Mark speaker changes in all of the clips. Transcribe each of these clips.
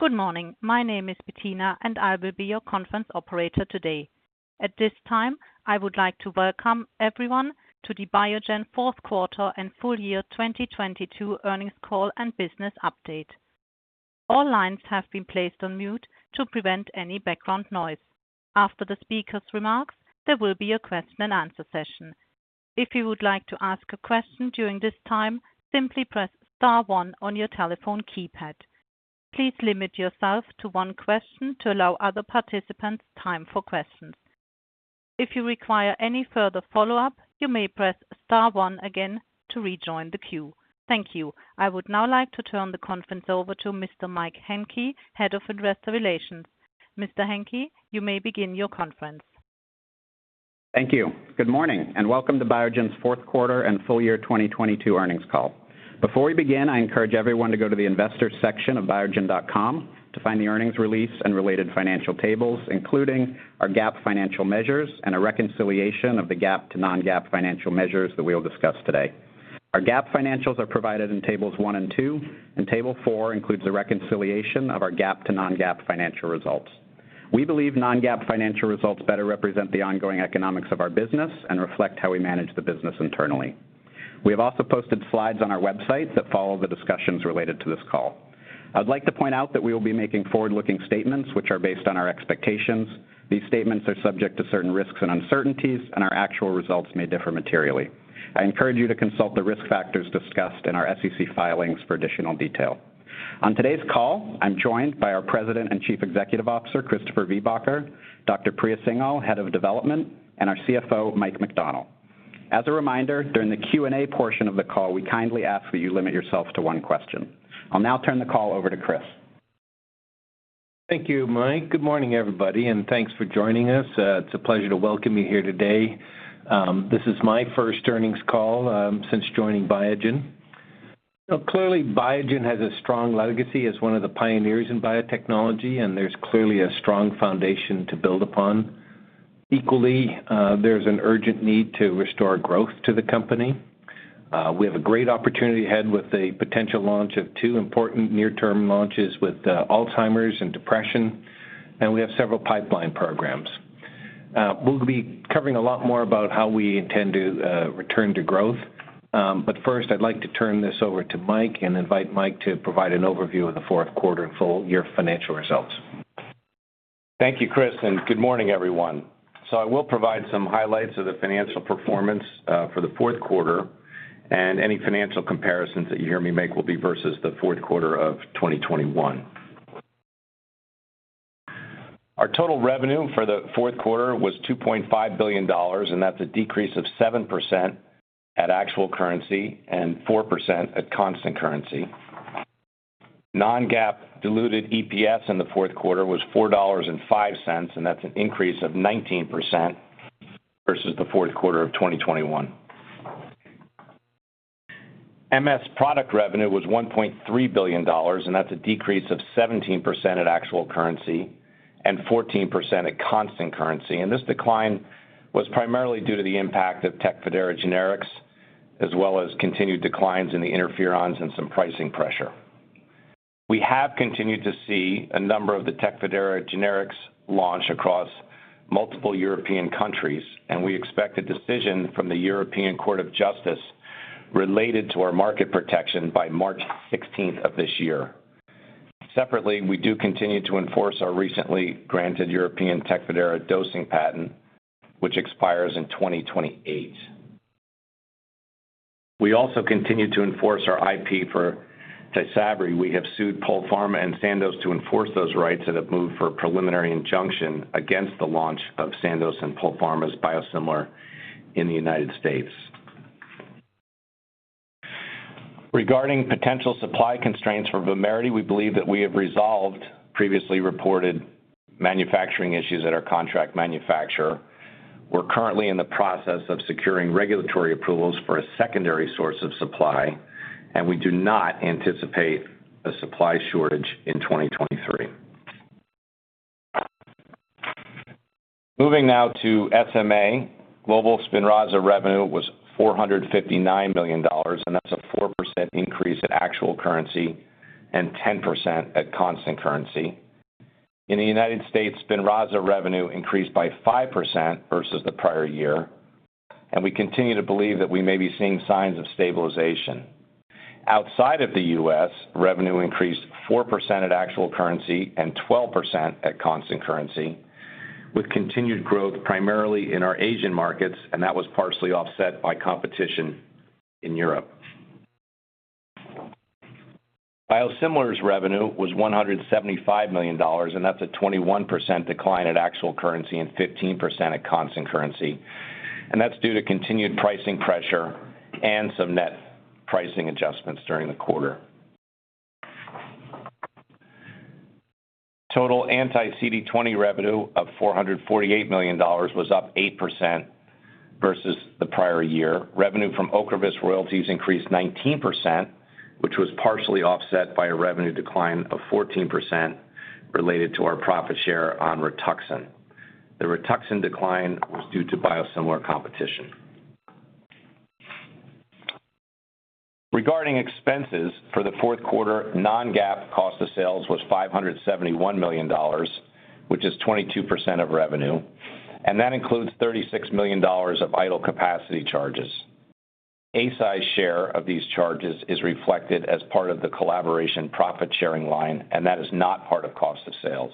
Speaker 1: Good morning. My name is Bettina, and I will be your conference operator today. At this time, I would like to welcome everyone to the Biogen fourth quarter and full year 2022 earnings call and business update. All lines have been placed on mute to prevent any background noise. After the speaker's remarks, there will be a question and answer session. If you would like to ask a question during this time, simply press star 1 on your telephone keypad. Please limit yourself to one question to allow other participants time for questions. If you require any further follow-up, you may press star 1 again to rejoin the queue. Thank you. I would now like to turn the conference over to Mr. Mike Hencke, Head of Investor Relations. Mr. Hencke, you may begin your conference.
Speaker 2: Thank you. Good morning and welcome to Biogen's fourth quarter and full year 2022 earnings call. Before we begin, I encourage everyone to go to the investor section of biogen.com to find the earnings release and related financial tables, including our GAAP financial measures and a reconciliation of the GAAP to non-GAAP financial measures that we'll discuss today. Our GAAP financials are provided in tables one and two, and table four includes a reconciliation of our GAAP to non-GAAP financial results. We believe non-GAAP financial results better represent the ongoing economics of our business and reflect how we manage the business internally. We have also posted slides on our website that follow the discussions related to this call. I'd like to point out that we will be making forward-looking statements which are based on our expectations. These statements are subject to certain risks and uncertainties, and our actual results may differ materially. I encourage you to consult the risk factors discussed in our SEC filings for additional detail. On today's call, I'm joined by our President and Chief Executive Officer, Christopher A. Viehbacher, Dr. Priya Singhal, Head of Development, and our CFO, Mike McDonnell. As a reminder, during the Q&A portion of the call, we kindly ask that you limit yourself to one question. I'll now turn the call over to Chris.
Speaker 3: Thank you, Mike. Good morning, everybody, and thanks for joining us. It's a pleasure to welcome you here today. This is my first earnings call since joining Biogen. Clearly, Biogen has a strong legacy as one of the pioneers in biotechnology, and there's clearly a strong foundation to build upon. Equally, there's an urgent need to restore growth to the company. We have a great opportunity ahead with the potential launch of two important near-term launches with Alzheimer's and depression, and we have several pipeline programs. We'll be covering a lot more about how we intend to return to growth. First, I'd like to turn this over to Mike and invite Mike to provide an overview of the fourth quarter full year financial results.
Speaker 2: Thank you, Chris, and good morning, everyone. I will provide some highlights of the financial performance for the fourth quarter, and any financial comparisons that you hear me make will be versus the fourth quarter of 2021. Our total revenue for the fourth quarter was $2.5 billion, and that's a decrease of 7% at actual currency and 4% at constant currency. Non-GAAP diluted EPS in the fourth quarter was $4.05, and that's an increase of 19% versus the fourth quarter of 2021. MS product revenue was $1.3 billion, and that's a decrease of 17% at actual currency and 14% at constant currency. This decline was primarily due to the impact of Tecfidera generics, as well as continued declines in the interferons and some pricing pressure. We have continued to see a number of the TECFIDERA generics launch across multiple European countries. We expect a decision from the European Court of Justice related to our market protection by March 16th of this year. Separately, we do continue to enforce our recently granted European TECFIDERA dosing patent, which expires in 2028. We also continue to enforce our IP for TYSABRI. We have sued Polpharma and Sandoz to enforce those rights and have moved for a preliminary injunction against the launch of Sandoz and Polpharma's biosimilar in the United States. Regarding potential supply constraints for VUMERITY, we believe that we have resolved previously reported manufacturing issues at our contract manufacturer. We're currently in the process of securing regulatory approvals for a secondary source of supply. We do not anticipate a supply shortage in 2023. Moving now to SMA. Global SPINRAZA revenue was $459 million, That's a 4% increase at actual currency and 10% at constant currency. In the U.S., SPINRAZA revenue increased by 5% versus the prior year, We continue to believe that we may be seeing signs of stabilization. Outside of the U.S., revenue increased 4% at actual currency and 12% at constant currency, with continued growth primarily in our Asian markets, That was partially offset by competition in Europe. Biosimilars revenue was $175 million, That's a 21% decline at actual currency and 15% at constant currency. That's due to continued pricing pressure and some net pricing adjustments during the quarter. Total anti-CD20 revenue of $448 million was up 8% versus the prior year. Revenue from OCREVUS royalties increased 19%, which was partially offset by a revenue decline of 14% related to our profit share on Rituxan. The Rituxan decline was due to biosimilar competition. Regarding expenses for the fourth quarter, non-GAAP cost of sales was $571 million, which is 22% of revenue, and that includes $36 million of idle capacity charges. Eisai's share of these charges is reflected as part of the collaboration profit-sharing line, and that is not part of cost of sales.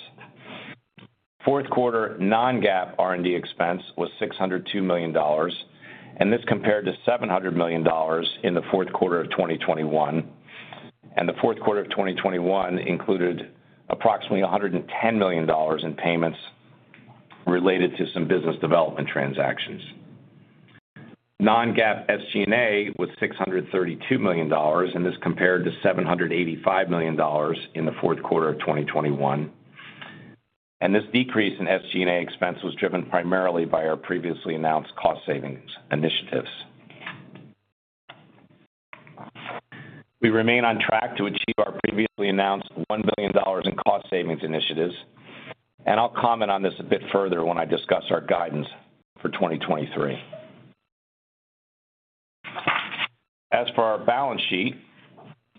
Speaker 2: Fourth quarter non-GAAP R&D expense was $602 million, and this compared to $700 million in the fourth quarter of 2021. The fourth quarter of 2021 included approximately $110 million in payments related to some business development transactions. Non-GAAP SG&A was $632 million, This compared to $785 million in the fourth quarter of 2021. This decrease in SG&A expense was driven primarily by our previously announced cost savings initiatives. We remain on track to achieve our previously announced 1 billion in cost savings initiatives, I'll comment on this a bit further when I discuss our guidance for 2023. As for our balance sheet,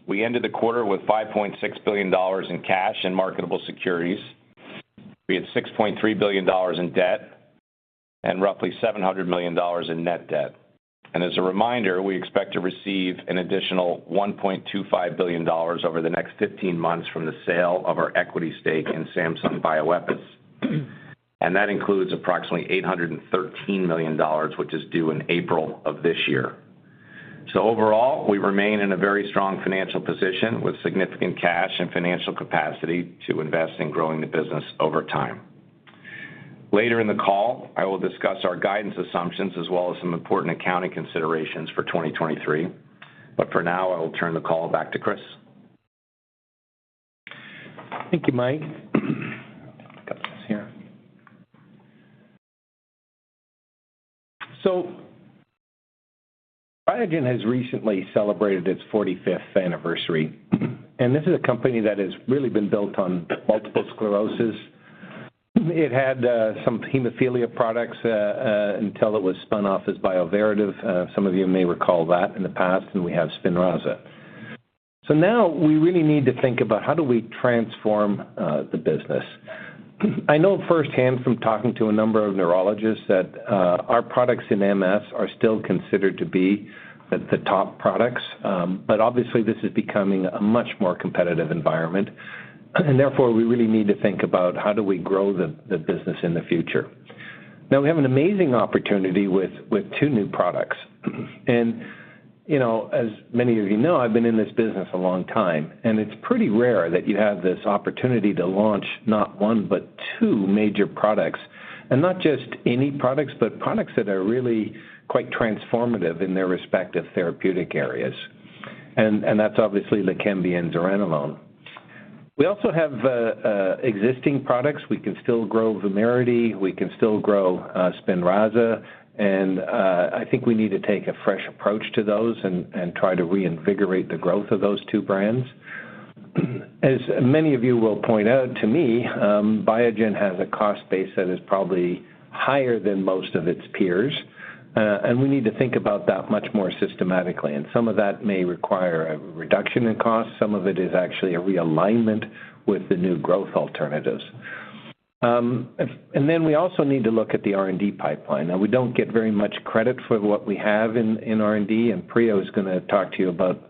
Speaker 2: we ended the quarter with $5.6 billion in cash and marketable securities. We had $6.3 billion in debt and roughly $700 million in net debt. As a reminder, we expect to receive an additional $1.25 billion over the next 15 months from the sale of our equity stake in Samsung Bioepis. That includes approximately $813 million, which is due in April of this year. Overall, we remain in a very strong financial position with significant cash and financial capacity to invest in growing the business over time. Later in the call, I will discuss our guidance assumptions as well as some important accounting considerations for 2023. For now, I will turn the call back to Chris.
Speaker 3: Thank you, Mike. Got this here. Biogen has recently celebrated its 45th anniversary. This is a company that has really been built on multiple sclerosis. It had some hemophilia products until it was spun off as Bioverativ. Some of you may recall that in the past. We have SPINRAZA. Now we really need to think about how do we transform the business. I know firsthand from talking to a number of neurologists that our products in MS are still considered to be the top products. Obviously this is becoming a much more competitive environment. Therefore we really need to think about how do we grow the business in the future. Now we have an amazing opportunity with two new products. You know, as many of you know, I've been in this business a long time, and it's pretty rare that you have this opportunity to launch not one but two major products. Not just any products, but products that are really quite transformative in their respective therapeutic areas. That's obviously LEQEMBI and zuranolone. We also have existing products. We can still grow VUMERITY, we can still grow SPINRAZA, I think we need to take a fresh approach to those and try to reinvigorate the growth of those two brands. As many of you will point out to me, BIOGEN has a cost base that is probably higher than most of its peers, and we need to think about that much more systematically. Some of that may require a reduction in cost. Some of it is actually a realignment with the new growth alternatives. Then we also need to look at the R&D pipeline. Now we don't get very much credit for what we have in R&D, and Priya is going to talk to you about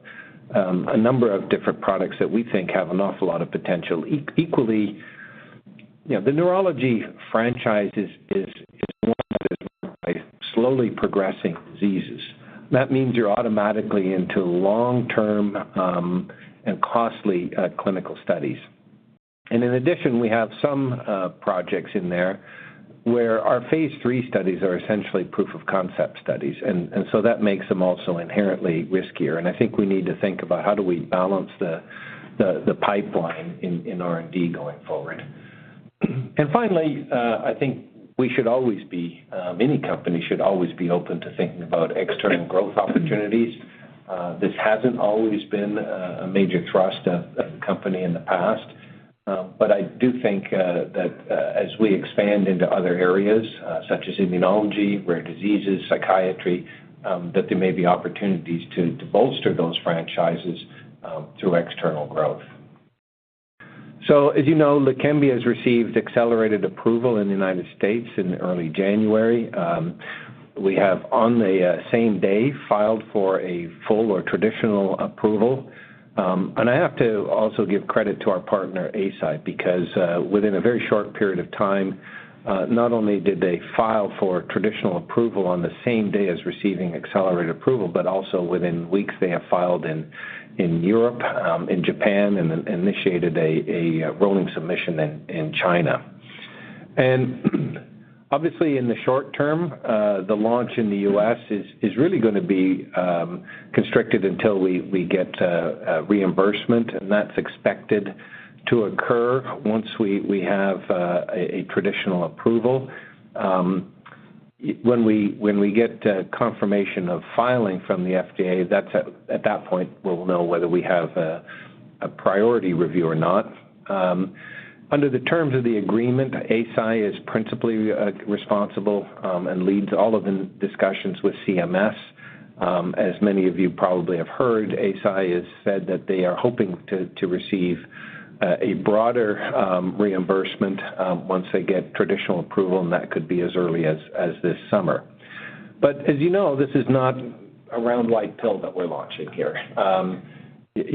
Speaker 3: a number of different products that we think have an awful lot of potential. Equally, you know, the neurology franchise is by slowly progressing diseases. That means you're automatically into long-term, and costly, clinical studies. In addition, we have some projects in there where our Phase three studies are essentially proof of concept studies, and so that makes them also inherently riskier. I think we need to think about how do we balance the pipeline in R&D going forward. Finally, I think we should always be, any company should always be open to thinking about external growth opportunities. This hasn't always been a major thrust of the company in the past. I do think that as we expand into other areas, such as immunology, rare diseases, psychiatry, that there may be opportunities to bolster those franchises through external growth. As you know, LEQEMBI has received accelerated approval in the United States in early January. We have on the same day filed for a full or traditional approval. I have to also give credit to our partner, Eisai, because within a very short period of time, not only did they file for traditional approval on the same day as receiving accelerated approval, but also within weeks they have filed in Europe, in Japan, and then initiated a rolling submission in China. Obviously in the short term, the launch in the U.S. is really going to be constricted until we get reimbursement, and that's expected to occur once we have a traditional approval. When we get confirmation of filing from the FDA, that's at that point, we'll know whether we have a priority review or not. Under the terms of the agreement, Eisai is principally responsible and leads all of the discussions with CMS. As many of you probably have heard, Eisai has said that they are hoping to receive a broader reimbursement once they get traditional approval, and that could be as early as this summer. As you know, this is not a round white pill that we're launching here. You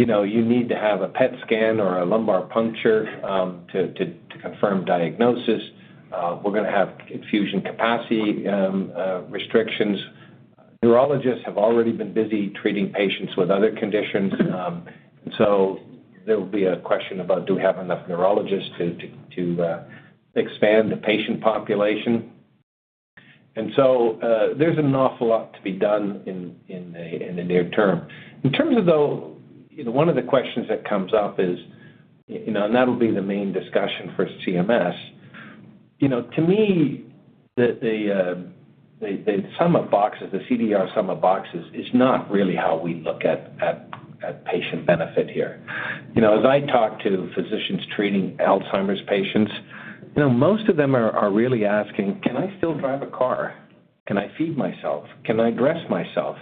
Speaker 3: know, you need to have a PET scan or a lumbar puncture to confirm diagnosis. We're going to have infusion capacity restrictions. Neurologists have already been busy treating patients with other conditions. There will be a question about do we have enough neurologists to expand the patient population. There's an awful lot to be done in the near term. In terms of though, you know, one of the questions that comes up is, you know, and that'll be the main discussion for CMS. You know, to me, the sum of boxes, the CDR Sum of Boxes is not really how we look at patient benefit here. You know, as I talk to physicians treating Alzheimer's patients, you know, most of them are really asking, "Can I still drive a car? Can I feed myself? Can I dress myself?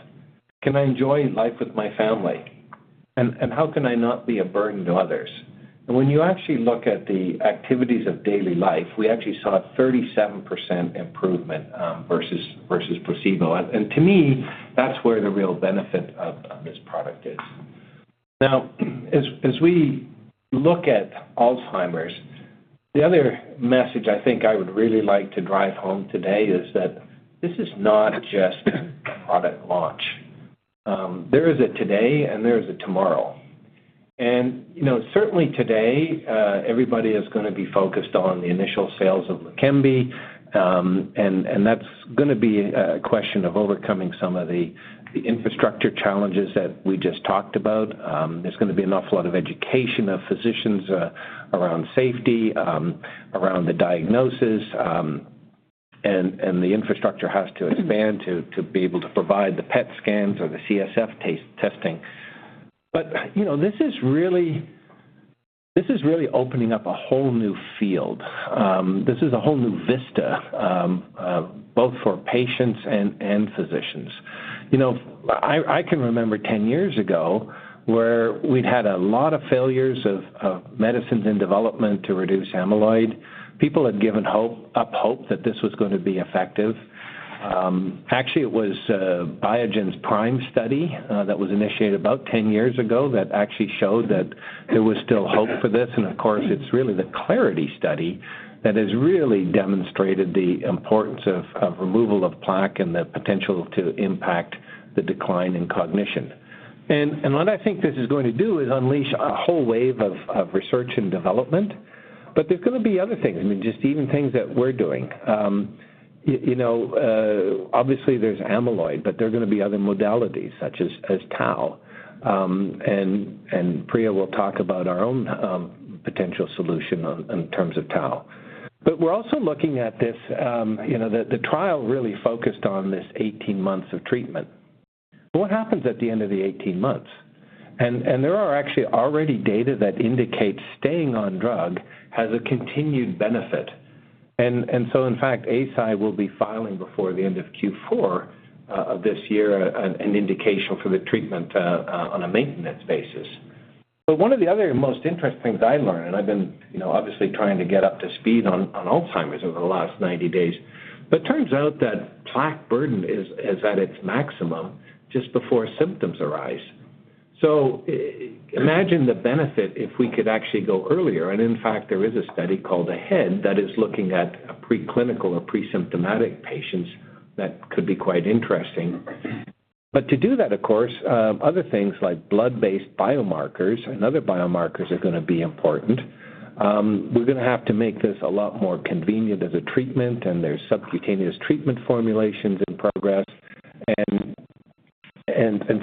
Speaker 3: Can I enjoy life with my family? And how can I not be a burden to others?" When you actually look at the activities of daily life, we actually saw a 37% improvement versus placebo. To me, that's where the real benefit of this product is. As we look at Alzheimer's, the other message I think I would really like to drive home today is that this is not just a product launch. There is a today and there is a tomorrow. You know, certainly today, everybody is going to be focused on the initial sales of LEQEMBI, and that's going to be a question of overcoming some of the infrastructure challenges that we just talked about. There's going to be an awful lot of education of physicians, around safety, around the diagnosis, and the infrastructure has to expand to be able to provide the PET scans or the CSF testing. You know, this is really opening up a whole new field. This is a whole new vista, both for patients and physicians. You know, I can remember 10 years ago where we'd had a lot of failures of medicines in development to reduce amyloid. People had given up hope that this was going to be effective. Actually, it was Biogen's PRIME study that was initiated about 10 years ago that actually showed that there was still hope for this. Of course, it's really the Clarity AD study that has really demonstrated the importance of removal of plaque and the potential to impact the decline in cognition. What I think this is going to do is unleash a whole wave of research and development, but there's going tobe other things. I mean, just even things that we're doing. you know, obviously there's amyloid, but there are going to be other modalities such as tau. And Priya will talk about our own potential solution in terms of tau. We're also looking at this, the trial really focused on this 18 months of treatment. What happens at the end of the 18 months? There are actually already data that indicates staying on drug has a continued benefit. In fact, Eisai will be filing before the end of Q4 of this year, an indication for the treatment on a maintenance basis. One of the other most interesting things I learned, and I've been, you know, obviously trying to get up to speed on Alzheimer's over the last 90 days. Turns out that plaque burden is at its maximum just before symptoms arise. Imagine the benefit if we could actually go earlier, and in fact, there is a study called AHEAD that is looking at a preclinical or presymptomatic patients that could be quite interesting. To do that, of course, other things like blood-based biomarkers and other biomarkers are going t be important. We're going to have to make this a lot more convenient as a treatment, and there's subcutaneous treatment formulations in progress.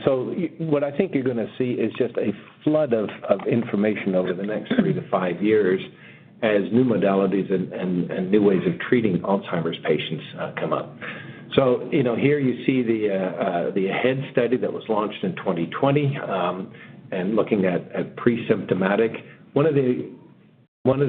Speaker 3: So what I think you're going to see is just a flood of information over the nex three to five years as new modalities and new ways of treating Alzheimer's patients come up. You know, here you see the AHEAD study that was launched in 2020, and looking at presymptomatic. One of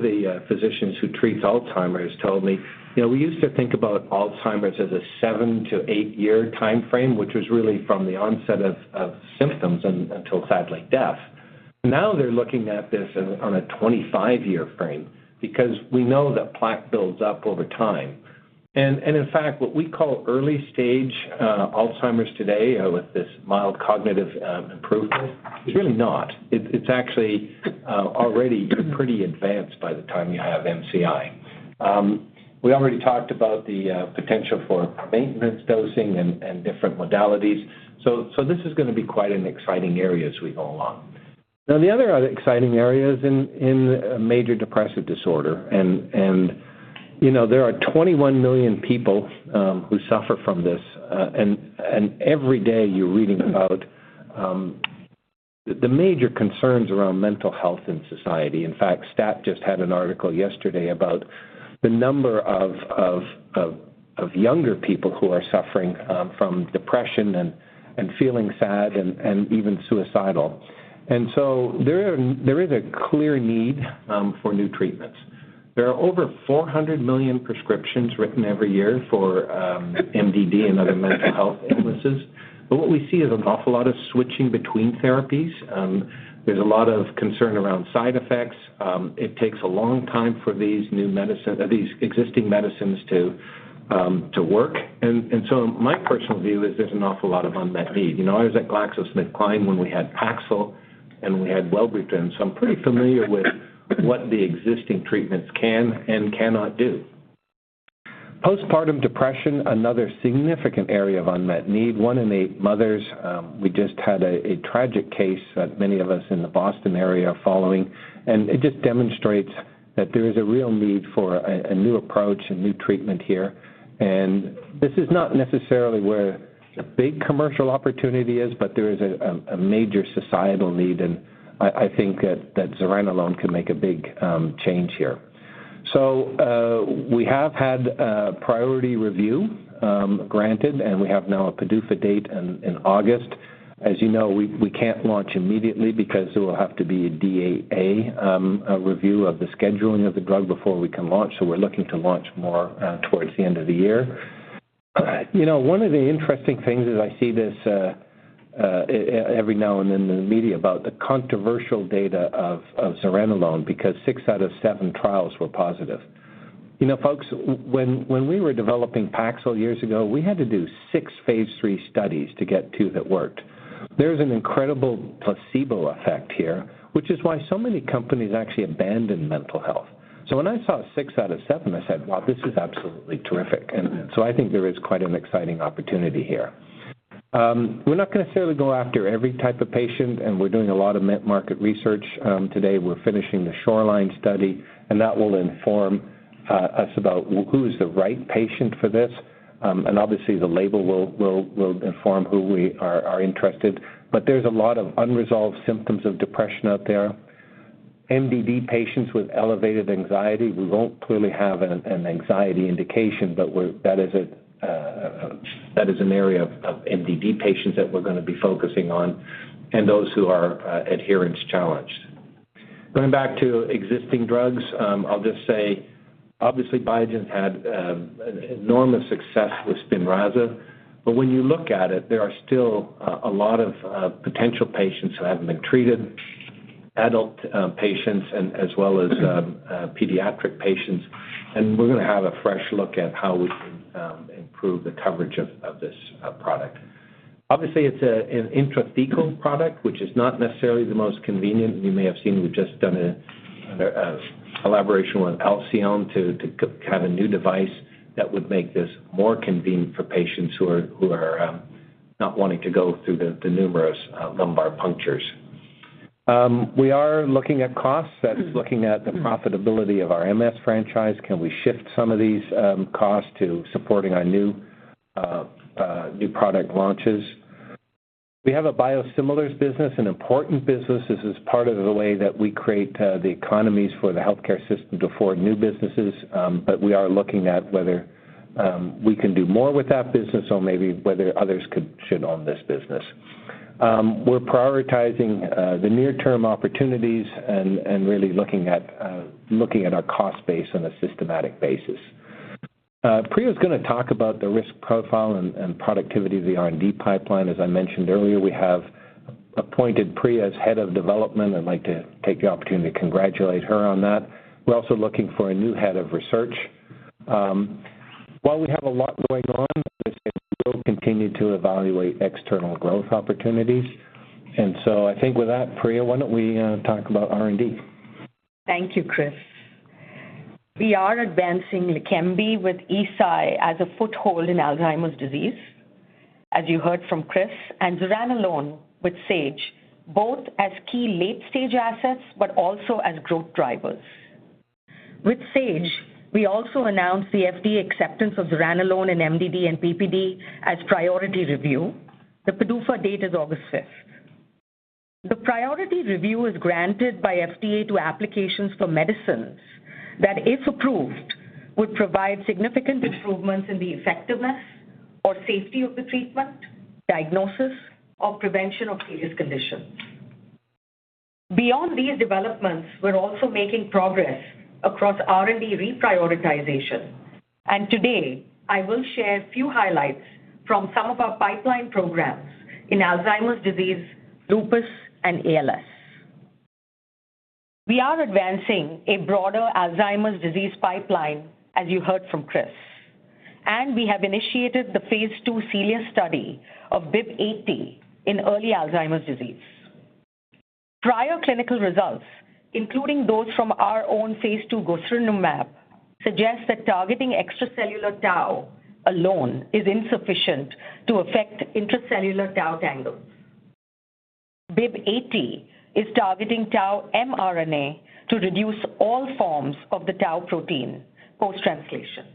Speaker 3: the physicians who treats Alzheimer's told me, "You know, we used to think about Alzheimer's as a 7-8-year timeframe, which was really from the onset of symptoms until sadly death. Now they're looking at this on a 25-year frame because we know that plaque builds up over time." In fact, what we call early stage Alzheimer's today, with this mild cognitive improvement, it's really not. It's actually already pretty advanced by the time you have MCI. We already talked about the potential for maintenance dosing and different modalities. This is going to be quite an exciting area as we go along. The other exciting area is in major depressive disorder. You know, there are 21 million people who suffer from this. Every day you're reading about the major concerns around mental health in society. In fact, STAT just had an article yesterday about the number of younger people who are suffering from depression and feeling sad and even suicidal. There is a clear need for new treatments. There are over 400 million prescriptions written every year for MDD and other mental health illnesses. What we see is an awful lot of switching between therapies. There's a lot of concern around side effects. It takes a long time for these existing medicines to work. My personal view is there's an awful lot of unmet need. You know, I was at GlaxoSmithKline when we had Paxil, and we had Wellbutrin, so I'm pretty familiar with what the existing treatments can and cannot do. Postpartum depression, another significant area of unmet need. One in eight mothers, we just had a tragic case that many of us in the Boston area are following, and it just demonstrates that there is a real need for a new approach, a new treatment here. This is not necessarily where a big commercial opportunity is, but there is a major societal need, and I think that zuranolone can make a big change here. We have had priority review granted, and we have now a PDUFA date in August. As you know, we can't launch immediately because there will have to be a D.E.A. a review of the scheduling of the drug before we can launch, so we're looking to launch more towards the end of the year. You know, one of the interesting things is I see this every now and then in the media about the controversial data of zuranolone because six out of seven trials were positive. You know, folks, when we were developing Paxil years ago, we had to do six phase three studies to get two that worked. There's an incredible placebo effect here, which is why so many companies actually abandon mental health. When I saw six out of seven, I said, "Well, this is absolutely terrific." I think there is quite an exciting opportunity here. We're not going to necessarily go after every type of patient, and we're doing a lot of market research. Today we're finishing the SHORELINE Study, and that will inform us about who is the right patient for this. Obviously the label will inform who we are interested. There's a lot of unresolved symptoms of depression out there. MDD patients with elevated anxiety, we won't clearly have an anxiety indication, but we're. That is an area of MDD patients that we're going to be focusing on and those who are adherence challenged. Going back to existing drugs, I'll just say obviously Biogen's had enormous success with SPINRAZA. When you look at it, there are still a lot of potential patients who haven't been treated, adult patients and as well as pediatric patients. We're going to have a fresh look at how we can improve the coverage of this product. Obviously, it's an intrathecal product, which is not necessarily the most convenient. You may have seen we've just done a collaboration with Alcyone to have a new device that would make this more convenient for patients who are not wanting to go through the numerous lumbar punctures. We are looking at costs. That is looking at the profitability of our MS franchise. Can we shift some of these costs to supporting our new product launches? We have a biosimilars business, an important business. This is part of the way that we create the economies for the healthcare system to afford new businesses. We are looking at whether we can do more with that business or maybe whether others should own this business. We're prioritizing the near-term opportunities and really looking at our cost base on a systematic basis. Priya's going to talk about the risk profile and productivity of the R&D pipeline. As I mentioned earlier, we have appointed Priya as Head of Development. I'd like to take the opportunity to congratulate her on that. We're also looking for a new Head of Research. While we have a lot going on, we will continue to evaluate external growth opportunities. I think with that, Priya, why don't we talk about R&D?
Speaker 4: Thank you, Chris. We are advancing LEQEMBI with Eisai as a foothold in Alzheimer's disease, as you heard from Chris, and zuranolone with Sage, both as key late-stage assets but also as growth drivers. With Sage, we also announced the FDA acceptance of zuranolone and MDD and PPD as priority review. The PDUFA date is August fifth. The priority review is granted by FDA to applications for medicines that, if approved, would provide significant improvements in the effectiveness or safety of the treatment, diagnosis, or prevention of serious conditions. Beyond these developments, we're also making progress across R&D reprioritization, and today I will share a few highlights from some of our pipeline programs in Alzheimer's disease, lupus, and ALS. We are advancing a broader Alzheimer's disease pipeline, as you heard from Chris, and we have initiated the phase 2 CELIA study of BIIB080 in early Alzheimer's disease. Prior clinical results, including those from our own phase 2 gosuranemab, suggest that targeting extracellular tau alone is insufficient to affect intracellular tau tangles. BIIB080 is targeting tau mRNA to reduce all forms of the tau protein, post-translation.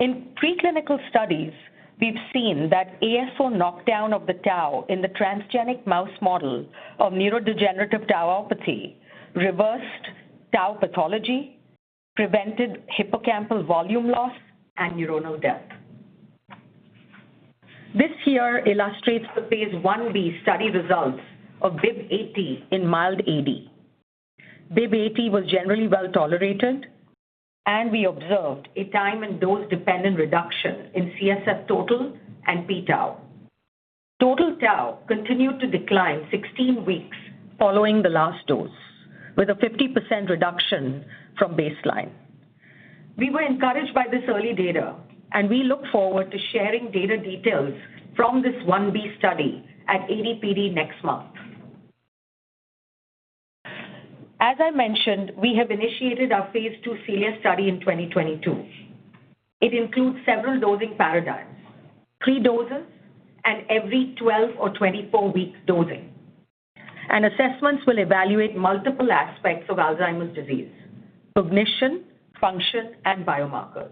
Speaker 4: In preclinical studies, we've seen that ASO knockdown of the tau in the transgenic mouse model of neurodegenerative tauopathy reversed tau pathology, prevented hippocampal volume loss, and neuronal death. This here illustrates the phase 1B study results of BIIB080 in mild AD. BIIB080 was generally well tolerated, and we observed a time and dose-dependent reduction in CSF total and p-tau. Total tau continued to decline 16 weeks following the last dose, with a 50% reduction from baseline. We were encouraged by this early data, and we look forward to sharing data details from this 1B study at ADPD next month. As I mentioned, we have initiated our phase 2 CELIA study in 2022. It includes several dosing paradigms, three doses and every 12 or 24 weeks dosing. Assessments will evaluate multiple aspects of Alzheimer's disease: cognition, function, and biomarkers.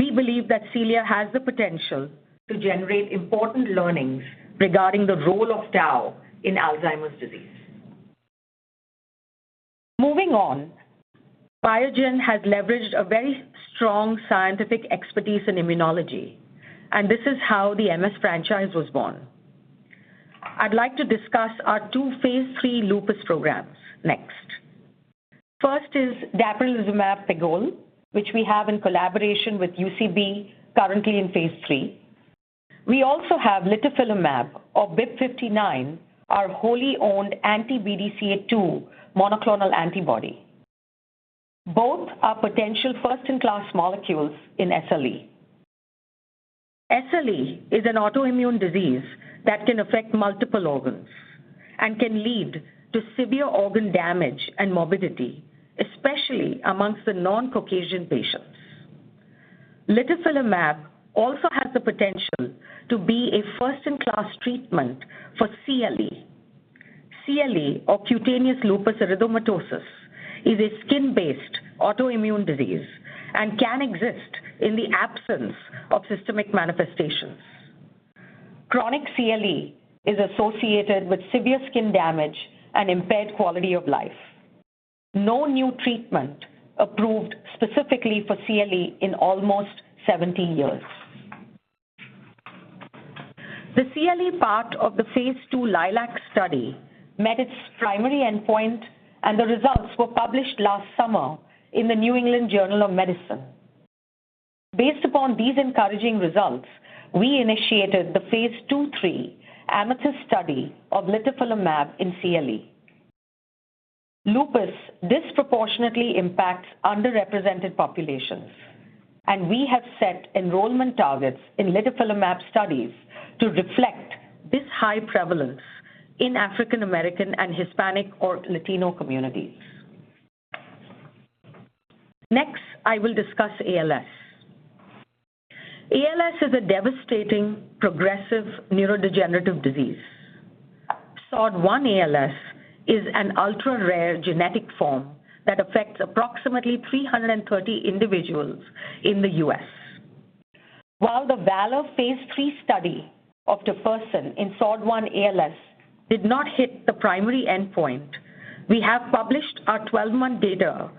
Speaker 4: We believe that CELIA has the potential to generate important learnings regarding the role of tau in Alzheimer's disease. Moving on. Biogen has leveraged a very strong scientific expertise in immunology, and this is how the MS franchise was born. I'd like to discuss our two phase three lupus programs next. First is dapirolizumab pegol, which we have in collaboration with UCB, currently in phase 3. We also have litifilimab or BIIB059, our wholly owned anti-BDCA-2 monoclonal antibody. Both are potential first-in-class molecules in SLE. SLE is an autoimmune disease that can affect multiple organs and can lead to severe organ damage and morbidity, especially amongst the non-Caucasian patients. Litifilimab also has the potential to be a first-in-class treatment for CLE. CLE or cutaneous lupus erythematosus is a skin-based autoimmune disease and can exist in the absence of systemic manifestations. Chronic CLE is associated with severe skin damage and impaired quality of life. No new treatment approved specifically for CLE in almost 17 years. The CLE part of the phase two LILAC study met its primary endpoint, and the results were published last summer in the New England Journal of Medicine. Based upon these encouraging results, we initiated the phase 2/3 AMETHYST study of litifilimab in CLE. Lupus disproportionately impacts underrepresented populations, and we have set enrollment targets in litifilimab studies to reflect this high prevalence in African American and Hispanic or Latino communities. Next, I will discuss ALS. ALS is a devastating progressive neurodegenerative disease. SOD1 ALS is an ultra-rare genetic form that affects approximately 330 individuals in the U.S. While the VALOR phase three study of tofersen in SOD1 ALS did not hit the primary endpoint, we have published our 12-month data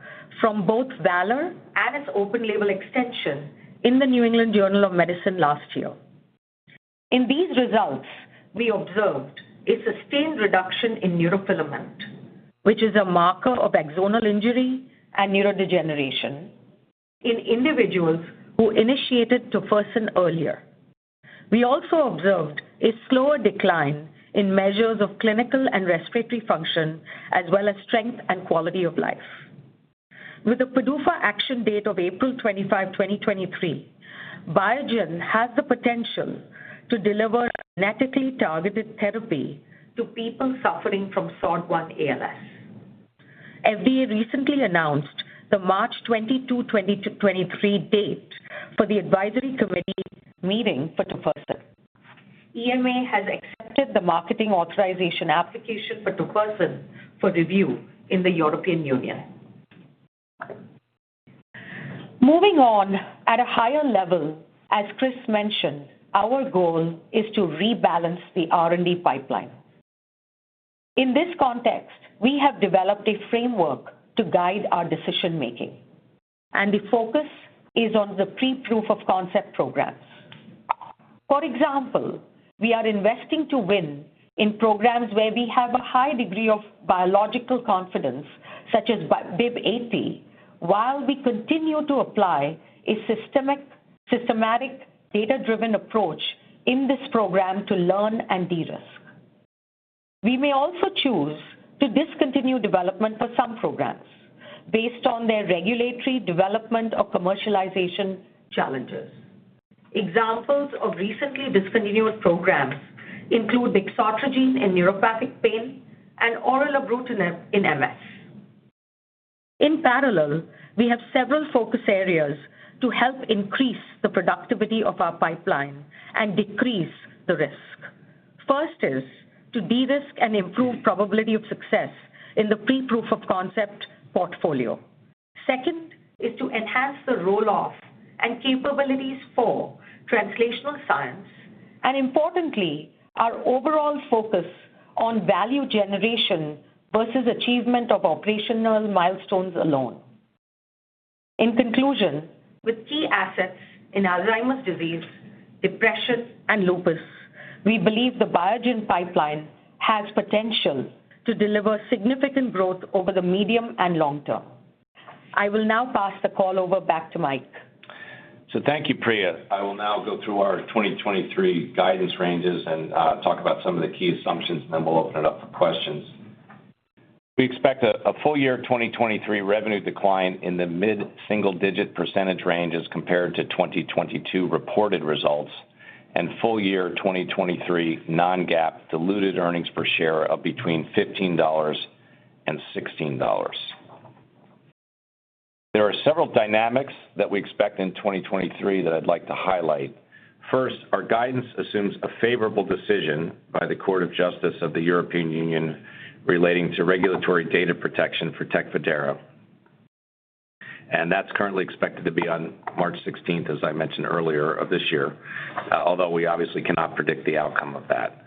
Speaker 4: from both VALOR and its open-label extension in the New England Journal of Medicine last year. In these results, we observed a sustained reduction in neurofilament, which is a marker of axonal injury and neurodegeneration in individuals who initiated tofersen earlier. We also observed a slower decline in measures of clinical and respiratory function, as well as strength and quality of life. With a PDUFA action date of April 25, 2023, Biogen has the potential to deliver a genetically targeted therapy to people suffering from SOD1 ALS. FDA recently announced the March 22, 2023 date for the advisory committee meeting for tofersen. EMA has accepted the marketing authorization application for tofersen for review in the European Union. Moving on at a higher level, as Chris mentioned, our goal is to rebalance the R&D pipeline. In this context, we have developed a framework to guide our decision-making, and the focus is on the pre-proof of concept programs. For example, we are investing to win in programs where we have a high degree of biological confidence, such as BIIB080, while we continue to apply a systematic data-driven approach in this program to learn and de-risk. We may also choose to discontinue development for some programs based on their regulatory development or commercialization challenges. Examples of recently discontinued programs include vixotrigine in neuropathic pain and oral orelabrutinib in MS. In parallel, we have several focus areas to help increase the productivity of our pipeline and decrease the risk. First is to de-risk and improve probability of success in the pre-proof of concept portfolio. Second is to enhance the roll-off and capabilities for translational science and importantly, our overall focus on value generation versus achievement of operational milestones alone. In conclusion, with key assets in Alzheimer's disease, depression, and lupus, we believe the Biogen pipeline has potential to deliver significant growth over the medium and long term. I will now pass the call over back to Mike.
Speaker 2: Thank you, Priya. I will now go through our 2023 guidance ranges and talk about some of the key assumptions, and then we'll open it up for questions. We expect a full year 2023 revenue decline in the mid-single-digit % range as compared to 2022 reported results and full year 2023 non-GAAP diluted earnings per share of between $15 and $16. There are several dynamics that we expect in 2023 that I'd like to highlight. First, our guidance assumes a favorable decision by the Court of Justice of the European Union relating to regulatory data protection for Tecfidera. That's currently expected to be on March 16th, as I mentioned earlier, of this year, although we obviously cannot predict the outcome of that.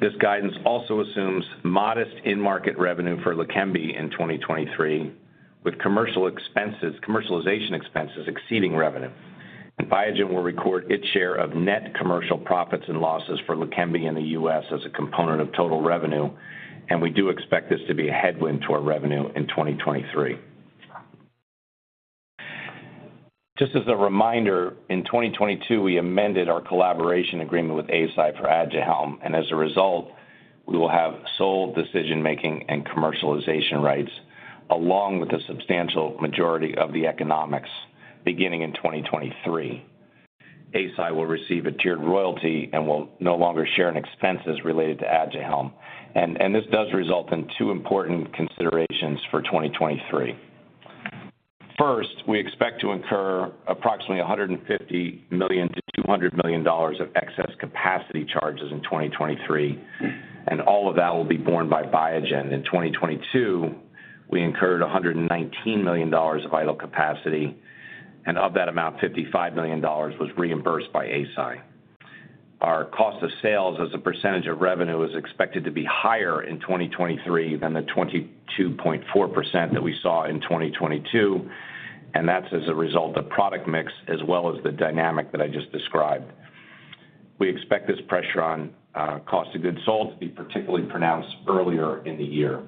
Speaker 2: This guidance also assumes modest end market revenue for LEQEMBI in 2023, with commercialization expenses exceeding revenue. Biogen will record its share of net commercial profits and losses for LEQEMBI in the U.S. As a component of total revenue, and we do expect this to be a headwind to our revenue in 2023. Just as a reminder, in 2022, we amended our collaboration agreement with Eisai for Aduhelm, and as a result, we will have sole decision-making and commercialization rights along with a substantial majority of the economics beginning in 2023. Eisai will receive a tiered royalty and will no longer share in expenses related to Aduhelm. This does result in two important considerations for 2023. First, we expect to incur approximately $150 million-$200 million of excess capacity charges in 2023. All of that will be borne by Biogen. In 2022, we incurred $119 million of idle capacity. Of that amount, $55 million was reimbursed by Eisai. Our cost of sales as a percentage of revenue is expected to be higher in 2023 than the 22.4% that we saw in 2022. That's as a result of product mix as well as the dynamic that I just described. We expect this pressure on cost of goods sold to be particularly pronounced earlier in the year.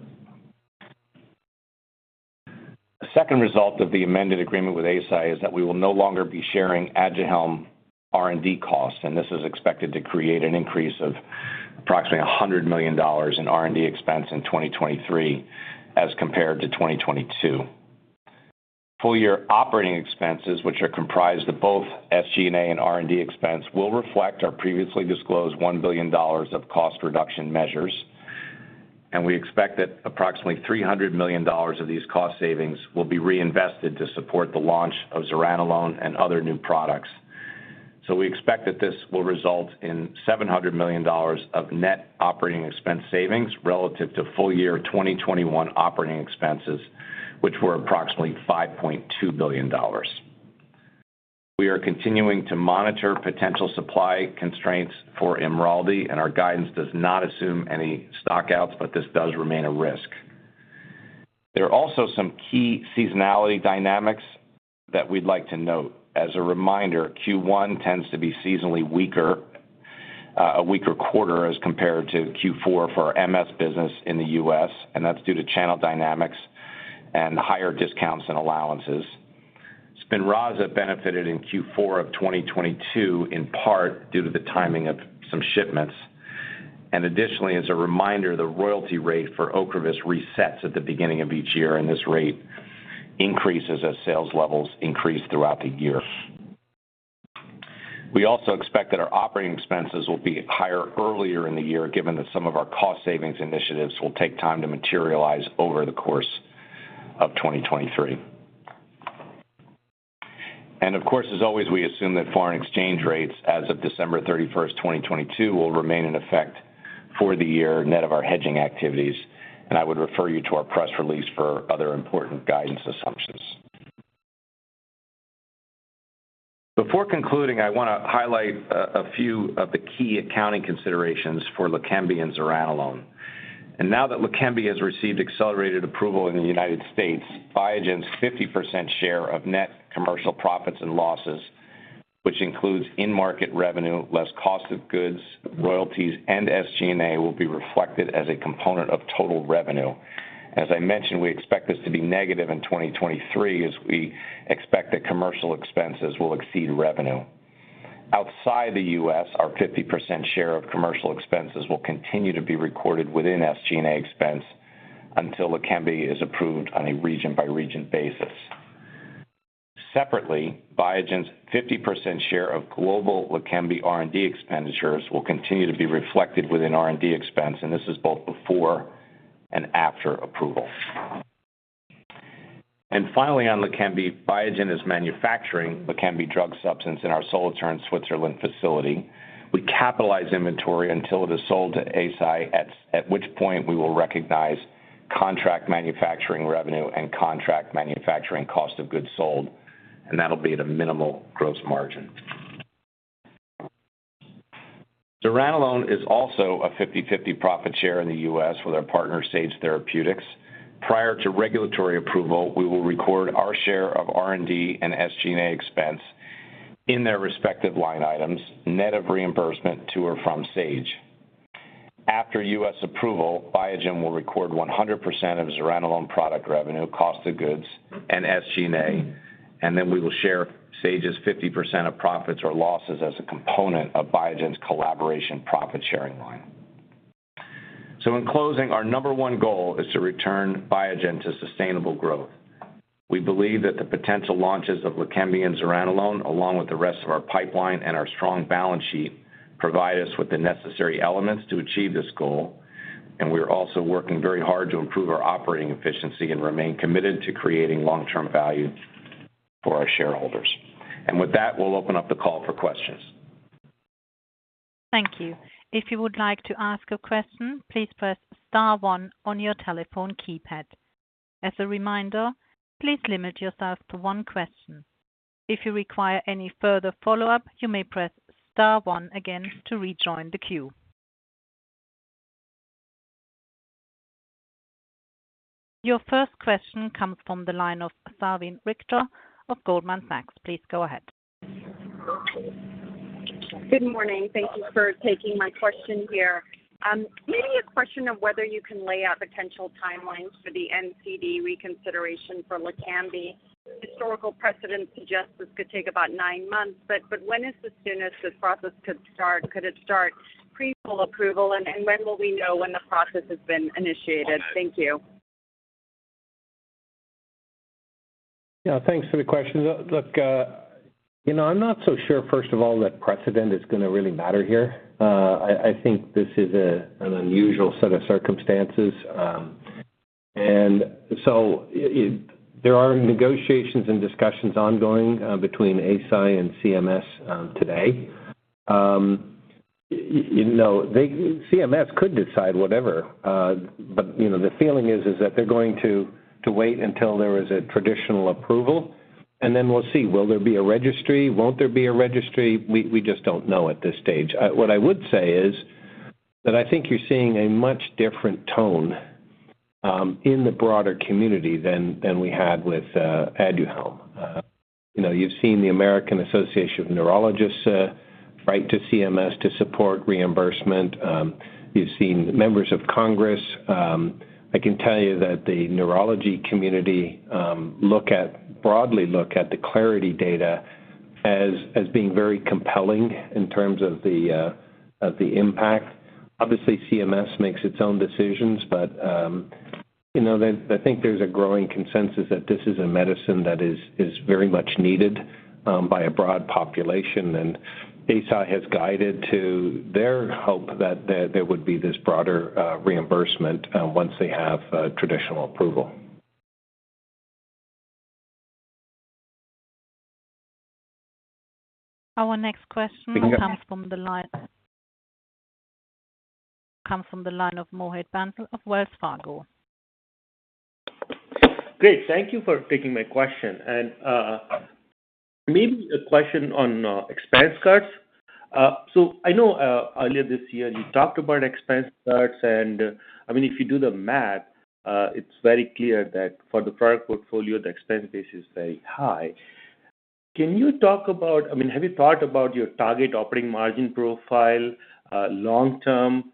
Speaker 2: A second result of the amended agreement with Eisai is that we will no longer be sharing Aduhelm R&D costs, and this is expected to create an increase of approximately $100 million in R&D expense in 2023 as compared to 2022. Full year operating expenses, which are comprised of both SG&A and R&D expense, will reflect our previously disclosed $1 billion of cost reduction measures, and we expect that approximately $300 million of these cost savings will be reinvested to support the launch of Zuranolone and other new products. We expect that this will result in $700 million of net operating expense savings relative to full year 2021 operating expenses, which were approximately $5.2 billion. We are continuing to monitor potential supply constraints for IMRALDI, and our guidance does not assume any stock outs, but this does remain a risk. There are also some key seasonality dynamics that we'd like to note. As a reminder, Q1 tends to be seasonally weaker, a weaker quarter as compared to Q4 for our MS business in the US, and that's due to channel dynamics and higher discounts and allowances. Spinraza benefited in Q4 of 2022, in part due to the timing of some shipments. Additionally, as a reminder, the royalty rate for Ocrevus resets at the beginning of each year, and this rate increases as sales levels increase throughout the year. We also expect that our operating expenses will be higher earlier in the year, given that some of our cost savings initiatives will take time to materialize over the course of 2023. Of course, as always, we assume that foreign exchange rates as of December 31st, 2022, will remain in effect for the year net of our hedging activities. I would refer you to our press release for other important guidance assumptions. Before concluding, I want to highlight a few of the key accounting considerations for LEQEMBI and zuranolone. Now that LEQEMBI has received accelerated approval in the U.S., Biogen's 50% share of net commercial profits and losses, which includes in-market revenue, less cost of goods, royalties, and SG&A will be reflected as a component of total revenue. As I mentioned, we expect this to be negative in 2023 as we expect that commercial expenses will exceed revenue. Outside the U.S., our 50% share of commercial expenses will continue to be recorded within SG&A expense until LEQEMBI is approved on a region-by-region basis. Separately, Biogen's 50% share of global LEQEMBI R&D expenditures will continue to be reflected within R&D expense, and this is both before and after approval.
Speaker 3: Finally, on LEQEMBI, Biogen is manufacturing LEQEMBI drug substance in our Solothurn, Switzerland facility. We capitalize inventory until it is sold to Eisai, at which point we will recognize contract manufacturing revenue and contract manufacturing cost of goods sold, and that'll be at a minimal gross margin. Zuranolone is also a 50/50 profit share in the US with our partner Sage Therapeutics. Prior to regulatory approval, we will record our share of R&D and SG&A expense in their respective line items, net of reimbursement to or from Sage. After U.S. approval, Biogen will record 100% of Zuranolone product revenue, cost of goods, and SG&A, and then we will share Sage's 50% of profits or losses as a component of Biogen's collaboration profit-sharing line. In closing, our number one goal is to return Biogen to sustainable growth. We believe that the potential launches of LEQEMBI and Zuranolone, along with the rest of our pipeline and our strong balance sheet, provide us with the necessary elements to achieve this goal. We are also working very hard to improve our operating efficiency and remain committed to creating long-term value for our shareholders. With that, we'll open up the call for questions.
Speaker 1: Thank you. If you would like to ask a question, please press star one on your telephone keypad. As a reminder, please limit yourself to one question. If you require any further follow-up, you may press star one again to rejoin the queue. Your first question comes from the line of Salveen Richter of Goldman Sachs. Please go ahead.
Speaker 5: Good morning. Thank you for taking my question here. Maybe a question of whether you can lay out potential timelines for the NCD reconsideration for LEQEMBI. Historical precedent suggests this could take about nine months, but when is the soonest this process could start? Could it start pre-full approval? When will we know when the process has been initiated? Thank you.
Speaker 3: Yeah, thanks for the question. Look, you know, I'm not so sure, first of all, that precedent is going to really matter here. I think this is an unusual set of circumstances. There are negotiations and discussions ongoing between Eisai and CMS today. You know, CMS could decide whatever. You know, the feeling is that they're going to wait until there is a traditional approval, and then we'll see. Will there be a registry? Won't there be a registry? We just don't know at this stage. What I would say is that I think you're seeing a much different tone in the broader community than we had with ADUHELM. You know, you've seen the American Academy of Neurology write to CMS to support reimbursement. You've seen members of Congress. I can tell you that the neurology community broadly look at the Clarity data as being very compelling in terms of the impact. Obviously, CMS makes its own decisions, but, you know, I think there's a growing consensus that this is a medicine that is very much needed by a broad population. Eisai has guided to their hope that there would be this broader reimbursement once they have traditional approval.
Speaker 1: Our next question.
Speaker 3: Thank you....
Speaker 1: comes from the line of Mohit Bansal of Wells Fargo.
Speaker 6: Great. Thank you for taking my question. Maybe a question on expense cuts. I know earlier this year, you talked about expense cuts. I mean, if you do the math, it's very clear that for the product portfolio, the expense base is very high. I mean, have you thought about your target operating margin profile long term?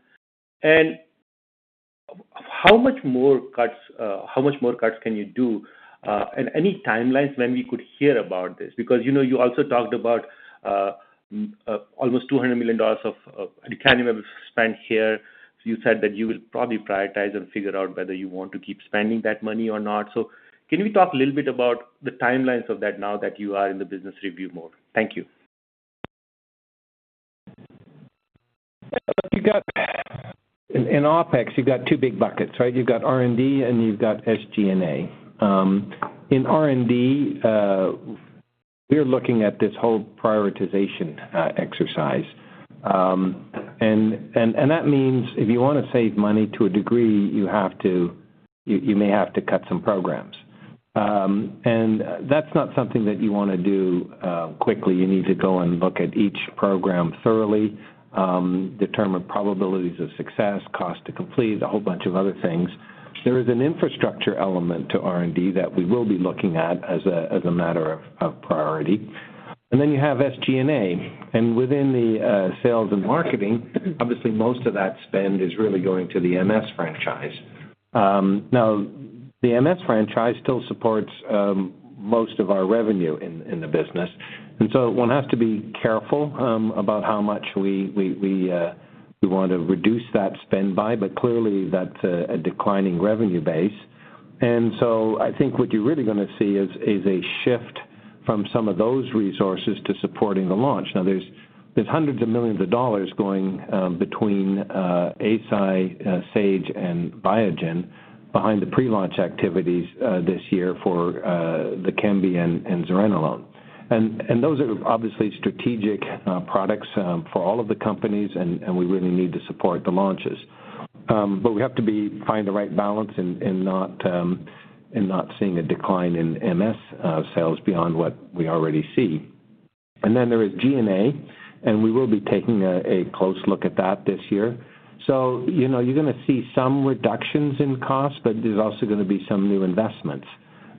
Speaker 6: How much more cuts can you do? Any timelines when we could hear about this? Because, you know, you also talked about almost $200 million of declining spend here. You said that you will probably prioritize and figure out whether you want to keep spending that money or not. Can we talk a little bit about the timelines of that now that you are in the business review mode? Thank you.
Speaker 3: Look, you got in OpEx, you've got two big buckets, right? You've got R&D and you've got SG&A. In R&D, we're looking at this whole prioritization exercise. That means if you want to save money to a degree, you may have to cut some programs. That's not something that you want to do quickly. You need to go and look at each program thoroughly, determine probabilities of success, cost to complete, a whole bunch of other things. There is an infrastructure element to R&D that we will be looking at as a matter of priority. Then you have SG&A. Within the sales and marketing, obviously, most of that spend is really going to the MS franchise. Now, the MS franchise still supports most of our revenue in the business. One has to be careful about how much we, we want to reduce that spend by. Clearly, that's a declining revenue base. I think what you're really going to see is a shift from some of those resources to supporting the launch. Now there's hundreds of millions of dollars going between Eisai, Sage and Biogen behind the pre-launch activities this year for LEQEMBI and zuranolone. Those are obviously strategic products for all of the companies, and we really need to support the launches. We have to find the right balance and not seeing a decline in MS sales beyond what we already see. There is GNA, and we will be taking a close look at that this year. You know, you're going to see some reductions in costs, but there's also going to be some new investments.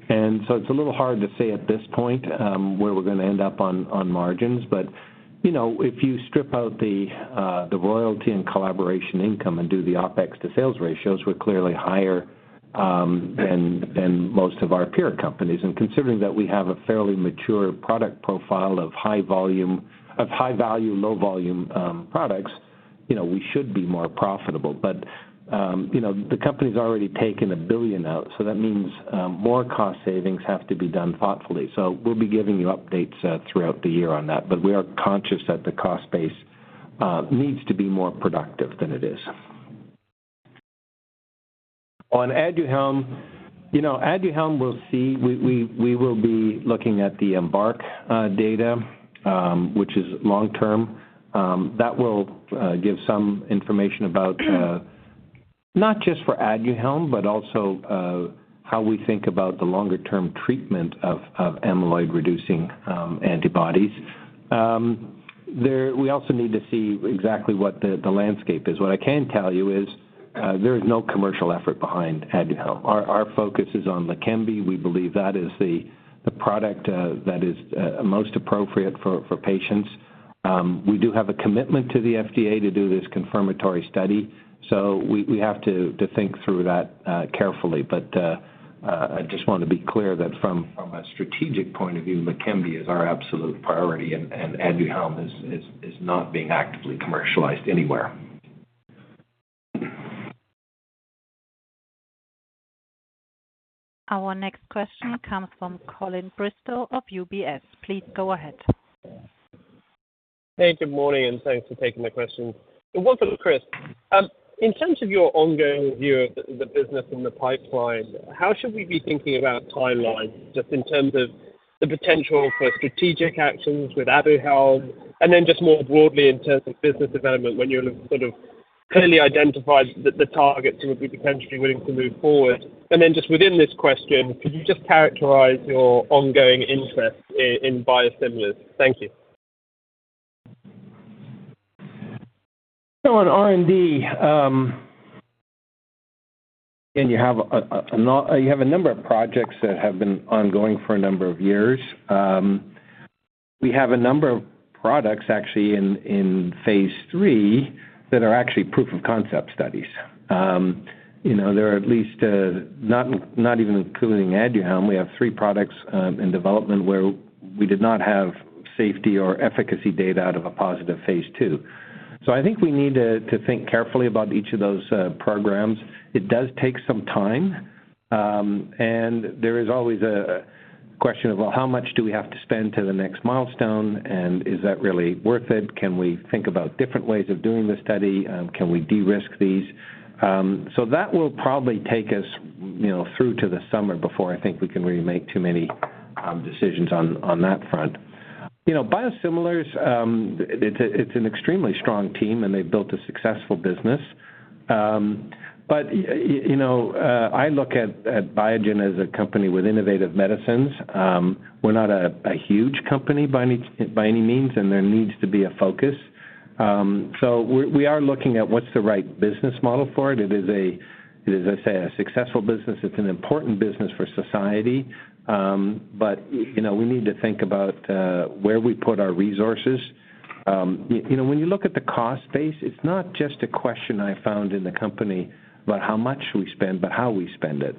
Speaker 3: It's a little hard to say at this point, where we're going to end up on margins. You know, if you strip out the royalty and collaboration income and do the OPEX to sales ratios, we're clearly higher than most of our peer companies. Considering that we have a fairly mature product profile of high value, low volume products, you know, we should be more profitable. You know, the company's already taken 1 billion out, so that means more cost savings have to be done thoughtfully. We'll be giving you updates throughout the year on that. We are conscious that the cost base needs to be more productive than it is. On ADUHELM, you know, ADUHELM we will be looking at the EMBARK data, which is long-term. That will give some information about not just for ADUHELM, but also how we think about the longer-term treatment of amyloid-reducing antibodies. We also need to see exactly what the landscape is. What I can tell you is there is no commercial effort behind ADUHELM. Our focus is on LEQEMBI. We believe that is the product that is most appropriate for patients. We do have a commitment to the FDA to do this confirmatory study, so we have to think through that carefully. I just want to be clear that from a strategic point of view, LEQEMBI is our absolute priority and ADUHELM is not being actively commercialized anywhere.
Speaker 1: Our next question comes from Colin Bristow of UBS. Please go ahead.
Speaker 7: Hey, good morning. Thanks for taking my question. Welcome, Chris. In terms of your ongoing view of the business and the pipeline, how should we be thinking about timeline, just in terms of the potential for strategic actions with ADUHELM, and then just more broadly in terms of business development when you'll have sort of clearly identified the target to be potentially willing to move forward? Just within this question, could you just characterize your ongoing interest in biosimilars? Thank you.
Speaker 3: On R&D, and you have a number of projects that have been ongoing for a number of years. We have a number of products actually in phase three that are actually proof of concept studies. You know, there are at least not even including ADUHELM, we have three products in development where we did not have safety or efficacy data out of a positive phase two. I think we need to think carefully about each of those programs. It does take some time, and there is always a question of, well, how much do we have to spend to the next milestone, and is that really worth it? Can we think about different ways of doing the study? Can we de-risk these? That will probably take us, you know, through to the summer before I think we can really make too many decisions on that front. You know, biosimilars, it's an extremely strong team, and they've built a successful business. You know, I look at Biogen as a company with innovative medicines. We're not a huge company by any means, and there needs to be a focus. We are looking at what's the right business model for it. It is, as I say, a successful business. It's an important business for society. You know, we need to think about where we put our resources. You know, when you look at the cost base, it's not just a question I found in the company about how much we spend, but how we spend it.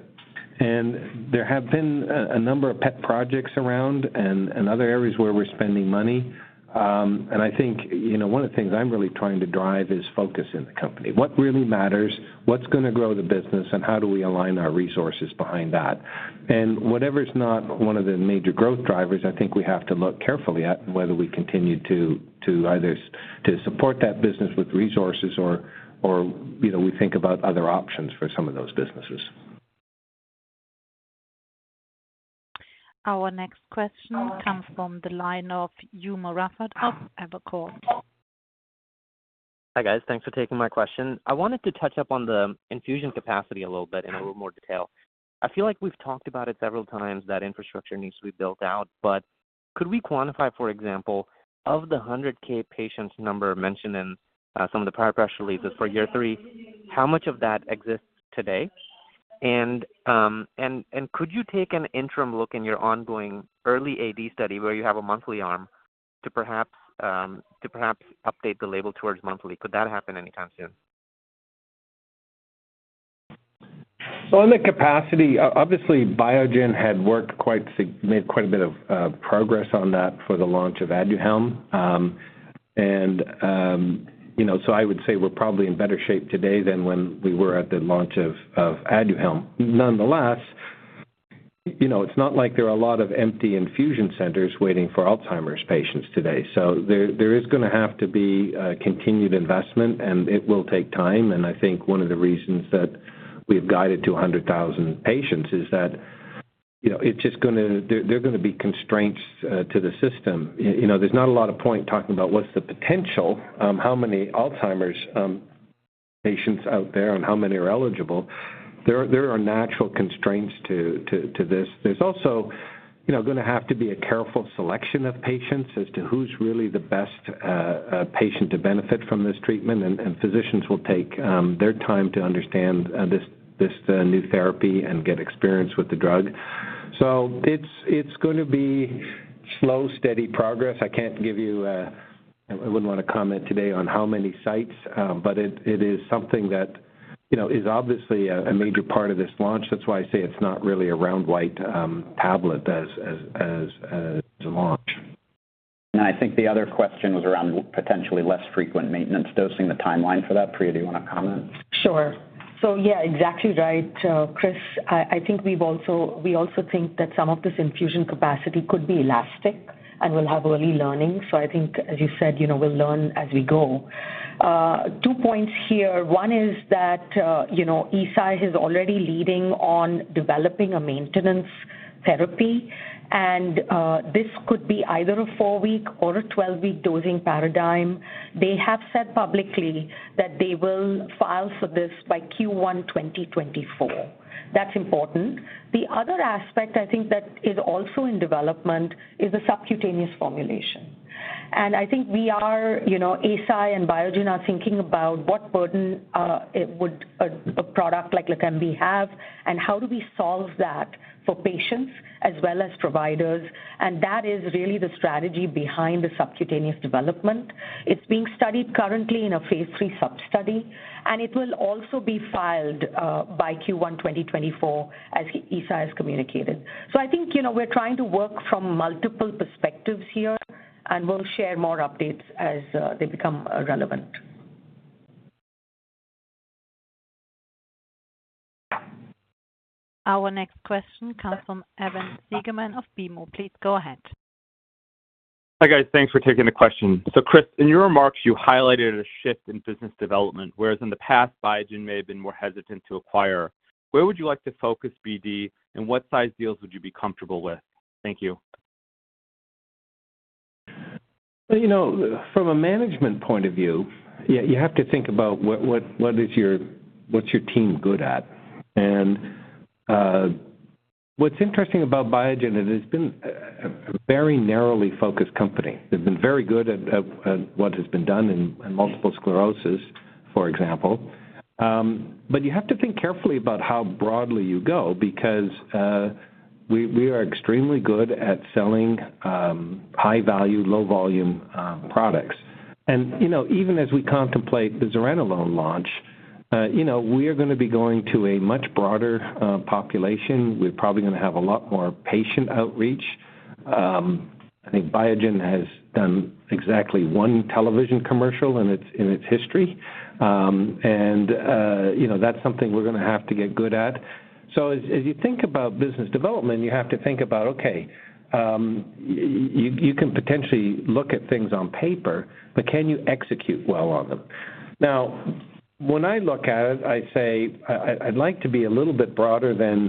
Speaker 3: There have been a number of pet projects around and other areas where we're spending money. I think, you know, one of the things I'm really trying to drive is focus in the company. What really matters? What's going to grow the business? How do we align our resources behind that? Whatever's not one of the major growth drivers, I think we have to look carefully at whether we continue to either support that business with resources or, you know, we think about other options for some of those businesses.
Speaker 1: Our next question comes from the line of Umer Raffat of Evercore.
Speaker 8: Hi, guys. Thanks for taking my question. I wanted to touch up on the infusion capacity a little bit in a little more detail. I feel like we've talked about it several times that infrastructure needs to be built out. Could we quantify, for example, of the 100K patients number mentioned in some of the prior press releases for year three, how much of that exists today? Could you take an interim look in your ongoing early AD study where you have a monthly arm to perhaps update the label towards monthly? Could that happen anytime soon?
Speaker 3: On the capacity, obviously Biogen made quite a bit of progress on that for the launch of ADUHELM. You know, I would say we're probably in better shape today than when we were at the launch of ADUHELM. Nonetheless, you know, it's not like there are a lot of empty infusion centers waiting for Alzheimer's patients today. There is going to have to be continued investment, and it will take time. I think one of the reasons that we've guided to 100,000 patients is that, you know, there are going to be constraints to the system. You know, there's not a lot of point talking about what's the potential, how many Alzheimer's patients out there and how many are eligible. There are natural constraints to this. There's also, you know, going to have to be a careful selection of patients as to who's really the best patient to benefit from this treatment. Physicians will take their time to understand this new therapy and get experience with the drug. It's going to be slow, steady progress. I can't give you. I wouldn't want to comment today on how many sites, but it is something that, you know, is obviously a major part of this launch. That's why I say it's not really a round white tablet as a launch.
Speaker 9: I think the other question was around potentially less frequent maintenance dosing, the timeline for that. Priya, do you want to comment?
Speaker 4: Sure. Exactly right, Chris. I think we also think that some of this infusion capacity could be elastic and will have early learning. I think as you said, you know, we'll learn as we go. Two points here. One is that, you know, Eisai is already leading on developing a maintenance therapy. This could be either a 4-week or a 12-week dosing paradigm. They have said publicly that they will file for this by Q1 2024. That's important. The other aspect I think that is also in development is a subcutaneous formulation. I think we are, you know, Eisai and Biogen are thinking about what burden it would a product like LEQEMBI have, and how do we solve that for patients as well as providers. That is really the strategy behind the subcutaneous development. It's being studied currently in a Phase three sub-study, and it will also be filed, by Q1 2024 as Eisai has communicated. I think, you know, we're trying to work from multiple perspectives here. We'll share more updates as they become relevant.
Speaker 1: Our next question comes from Evan Seigerman of BMO. Please go ahead.
Speaker 10: Hi, guys. Thanks for taking the question. Chris, in your remarks, you highlighted a shift in business development, whereas in the past, Biogen may have been more hesitant to acquire. Where would you like to focus BD, and what size deals would you be comfortable with? Thank you.
Speaker 3: You know, from a management point of view, you have to think about what's your team good at. What's interesting about Biogen, it has been a very narrowly focused company. They've been very good at what has been done in multiple sclerosis, for example. You have to think carefully about how broadly you go because we are extremely good at selling high value, low volume products. You know, even as we contemplate the zuranolone launch, you know, we are going to be going to a much broader population. We're probably going to have a lot more patient outreach. I think Biogen has done exactly one television commercial in its history. You know, that's something we're going to have to get good at. As you think about business development, you have to think about, okay, you can potentially look at things on paper, but can you execute well on them? When I look at it, I say I'd like to be a little bit broader than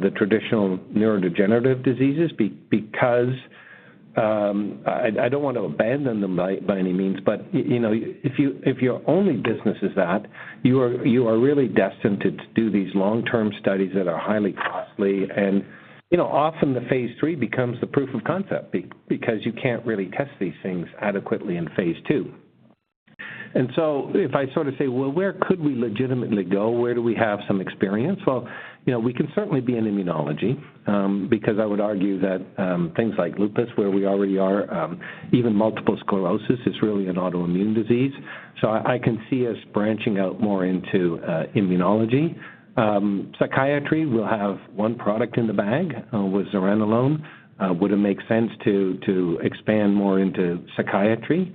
Speaker 3: the traditional neurodegenerative diseases because I don't want to abandon them by any means. You know, if your only business is that, you are really destined to do these long-term studies that are highly costly. You know, often the phase three becomes the proof of concept because you can't really test these things adequately in phase two. If I sort of say, well, where could we legitimately go? Where do we have some experience? Well, you know, we can certainly be in immunology, because I would argue that, things like lupus, where we already are, even multiple sclerosis is really an autoimmune disease. I can see us branching out more into immunology. Psychiatry, we'll have one product in the bag, with zuranolone. Would it make sense to expand more into psychiatry?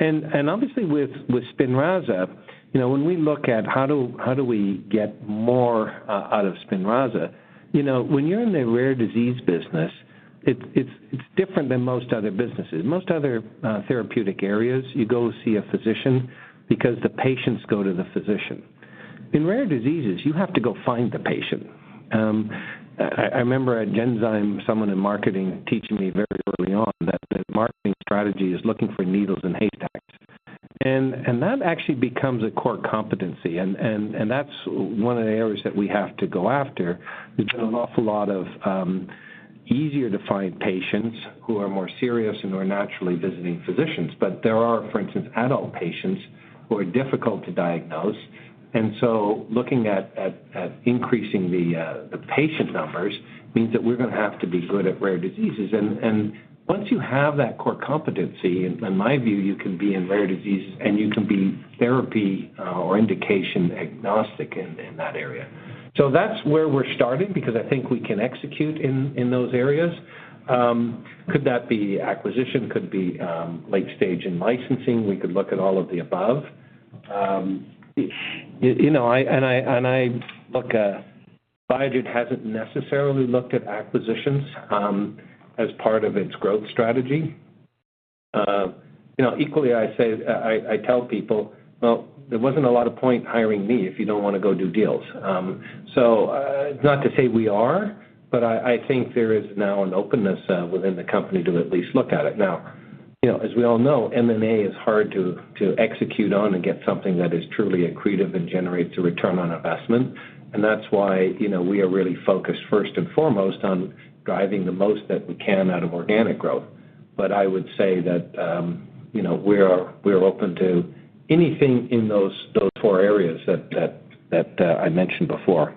Speaker 3: Obviously with SPINRAZA, you know, when we look at how do we get more out of SPINRAZA, you know, when you're in the rare disease business, it's different than most other businesses. Most other therapeutic areas, you go see a physician because the patients go to the physician. In rare diseases, you have to go find the patient. I remember at Genzyme, someone in marketing teaching me very early on that the marketing strategy is looking for needles in haystacks. That actually becomes a core competency. That's one of the areas that we have to go after. There's an awful lot of easier to find patients who are more serious and who are naturally visiting physicians. There are, for instance, adult patients who are difficult to diagnose. Looking at increasing the patient numbers means that we're going to have to be good at rare diseases. Once you have that core competency, in my view, you can be in rare disease, and you can be therapy or indication agnostic in that area. That's where we're starting because I think we can execute in those areas. Could that be acquisition? Could be late stage in licensing. We could look at all of the above. You know, I and I look, Biogen hasn't necessarily looked at acquisitions as part of its growth strategy. You know, equally, I say, I tell people, "Well, there wasn't a lot of point hiring me if you don't want to go do deals." So, not to say we are, but I think there is now an openness within the company to at least look at it now. You know, as we all know, M&A is hard to execute on and get something that is truly accretive and generates a return on investment. That's why, you know, we are really focused first and foremost on driving the most that we can out of organic growth. I would say that, you know, we are open to anything in those four areas that I mentioned before.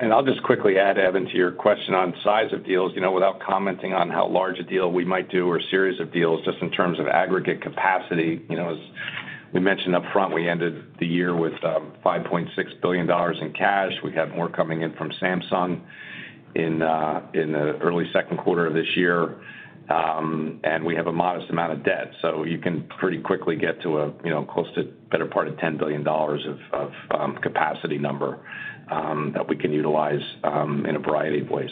Speaker 2: I'll just quickly add, Evan, to your question on size of deals. You know, without commenting on how large a deal we might do or series of deals, just in terms of aggregate capacity, you know, as we mentioned up front, we ended the year with $5.6 billion in cash. We have more coming in from Samsung in early second quarter of this year. We have a modest amount of debt. You can pretty quickly get to a, you know, close to better part of $10 billion of capacity number that we can utilize in a variety of ways.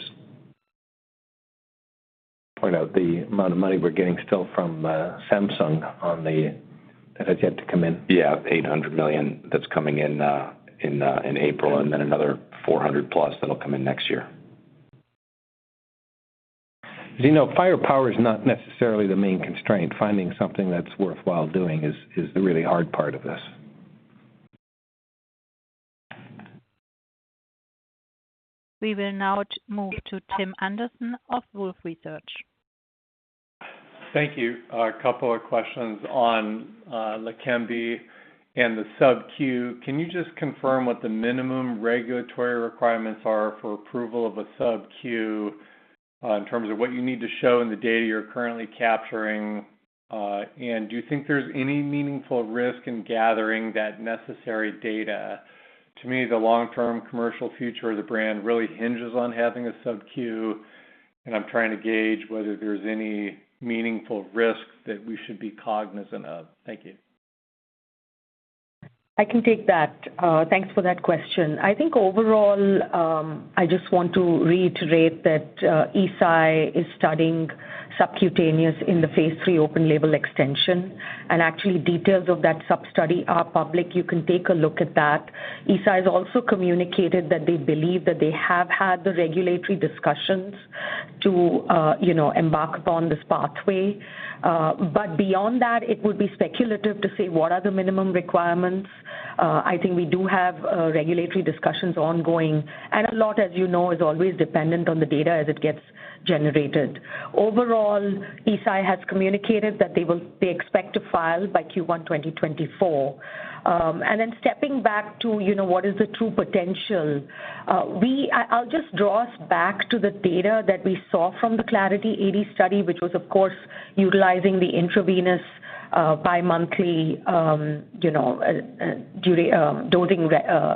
Speaker 3: Point out the amount of money we're getting still from Samsung. That has yet to come in.
Speaker 2: Yeah, $800 million that's coming in in April, and then another 400+ that'll come in next year.
Speaker 3: You know, firepower is not necessarily the main constraint. Finding something that's worthwhile doing is the really hard part of this.
Speaker 1: We will now move to Tim Anderson of Wolfe Research.
Speaker 11: Thank you. A couple of questions on LEQEMBI and the subQ. Can you just confirm what the minimum regulatory requirements are for approval of a subQ in terms of what you need to show in the data you're currently capturing? Do you think there's any meaningful risk in gathering that necessary data? To me, the long-term commercial future of the brand really hinges on having a subQ, and I'm trying to gauge whether there's any meaningful risk that we should be cognizant of. Thank you.
Speaker 4: I can take that. Thanks for that question. I think overall, I just want to reiterate that Eisai is studying subcutaneous in the phase 3 open label extension. Actually, details of that sub-study are public. You can take a look at that. Eisai has also communicated that they believe that they have had the regulatory discussions to, you know, embark upon this pathway. Beyond that, it would be speculative to say, what are the minimum requirements? I think we do have regulatory discussions ongoing, and a lot, as you know, is always dependent on the data as it gets generated. Overall, Eisai has communicated that they expect to file by Q1 2024. Stepping back to, you know, what is the true potential? We... I'll just draw us back to the data that we saw from the Clarity AD study, which was of course utilizing the intravenous, bimonthly, you know, duty, dosing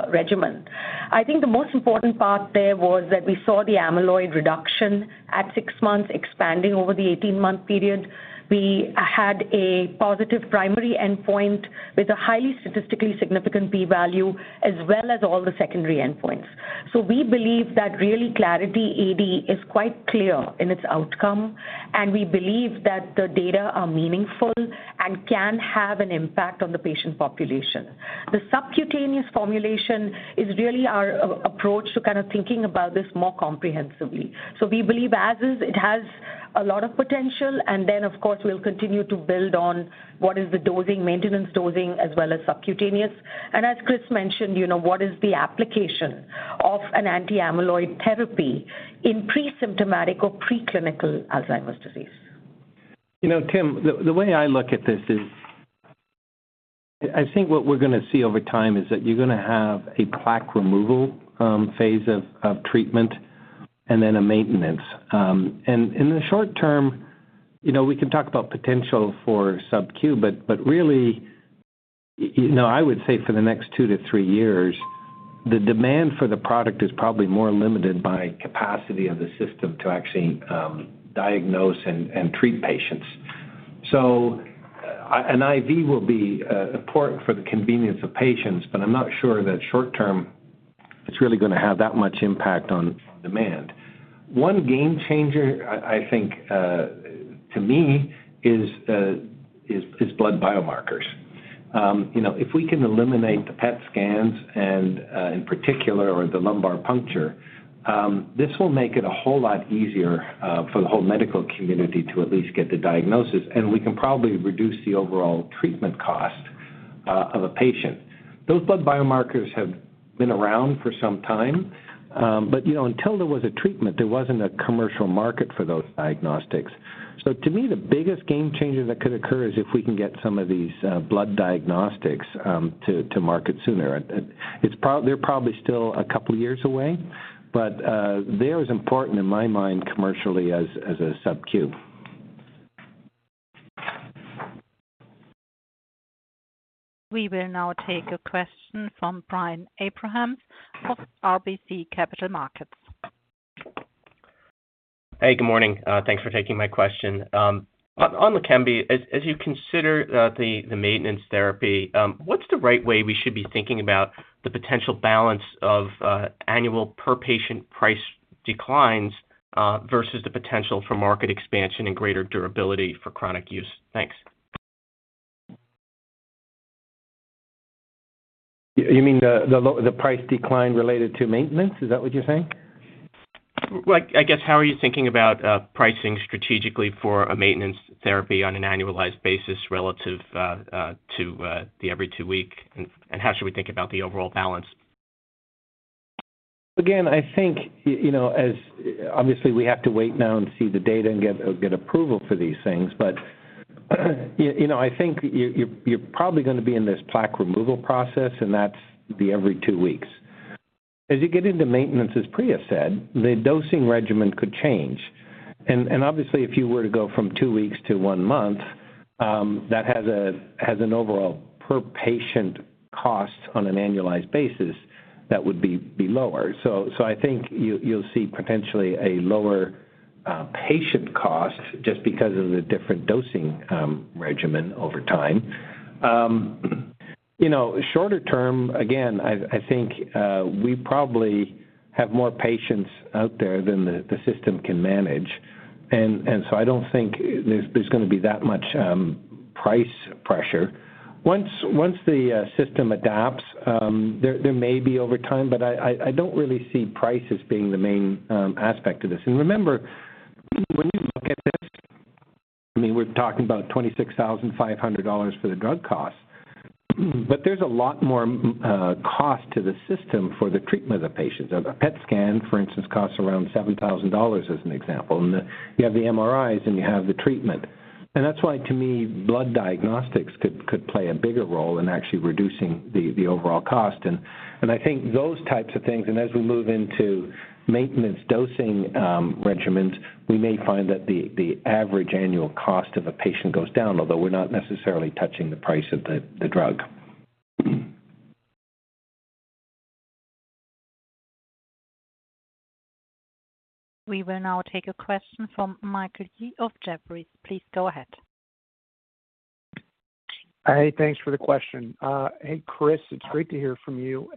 Speaker 4: regimen. I think the most important part there was that we saw the amyloid reduction at six months expanding over the 18-month period. We had a positive primary endpoint with a highly statistically significant B value, as well as all the secondary endpoints. We believe that really Clarity AD is quite clear in its outcome, and we believe that the data are meaningful and can have an impact on the patient population. The subcutaneous formulation is really our approach to kind of thinking about this more comprehensively. We believe as is, it has a lot of potential, and then of course we'll continue to build on what is the dosing, maintenance dosing, as well as subcutaneous. As Chris mentioned, you know, what is the application of an anti-amyloid therapy in pre-symptomatic or preclinical Alzheimer's disease?
Speaker 3: You know, Tim, the way I look at this is, I think what we're going to see over time is that you're going to have a plaque removal phase of treatment and then a maintenance. In the short term, you know, we can talk about potential for subQ, but really, you know, I would say for the next two to three years, the demand for the product is probably more limited by capacity of the system to actually diagnose and treat patients. An IV will be important for the convenience of patients, but I'm not sure that short term it's really going to have that much impact on demand. One game changer, I think, to me is blood biomarkers. You know, if we can eliminate the PET scans and in particular or the lumbar puncture, this will make it a whole lot easier for the whole medical community to at least get the diagnosis, and we can probably reduce the overall treatment cost of a patient. Those blood biomarkers have been around for some time, but you know, until there was a treatment, there wasn't a commercial market for those diagnostics. To me, the biggest game changer that could occur is if we can get some of these blood diagnostics to market sooner. They're probably still a couple years away, but they're as important in my mind commercially as a subQ.
Speaker 1: We will now take a question from Brian Abrahams of RBC Capital Markets.
Speaker 12: Hey, good morning. Thanks for taking my question. On LEQEMBI, as you consider the maintenance therapy, what's the right way we should be thinking about the potential balance of annual per patient price declines versus the potential for market expansion and greater durability for chronic use? Thanks.
Speaker 3: You mean the price decline related to maintenance? Is that what you're saying?
Speaker 12: Like, I guess how are you thinking about pricing strategically for a maintenance therapy on an annualized basis relative to the every two week? How should we think about the overall balance?
Speaker 3: Again, I think, you know, obviously we have to wait now and see the data and get approval for these things. You know, I think you're probably going to be in this plaque removal process, and that's the every two weeks. As you get into maintenance, as Priya said, the dosing regimen could change. Obviously, if you were to go from two weeks to one month, that has an overall per patient cost on an annualized basis that would be lower. I think you'll see potentially a lower patient cost just because of the different dosing regimen over time. You know, shorter term, again, I think we probably have more patients out there than the system can manage. I don't think there's going to be that much price pressure. Once the system adapts, there may be over time, but I don't really see price as being the main aspect to this. Remember, when you look at this, I mean, we're talking about $26,500 for the drug costs, but there's a lot more cost to the system for the treatment of patients. A PET scan, for instance, costs around $7,000 as an example. You have the MRIs, and you have the treatment. That's why to me, blood diagnostics could play a bigger role in actually reducing the overall cost. I think those types of things, and as we move into maintenance dosing, regimens, we may find that the average annual cost of a patient goes down, although we're not necessarily touching the price of the drug.
Speaker 1: We will now take a question from Michael Yee of Jefferies. Please go ahead.
Speaker 13: Hey, thanks for the question. Hey, Chris, it's great to hear from you.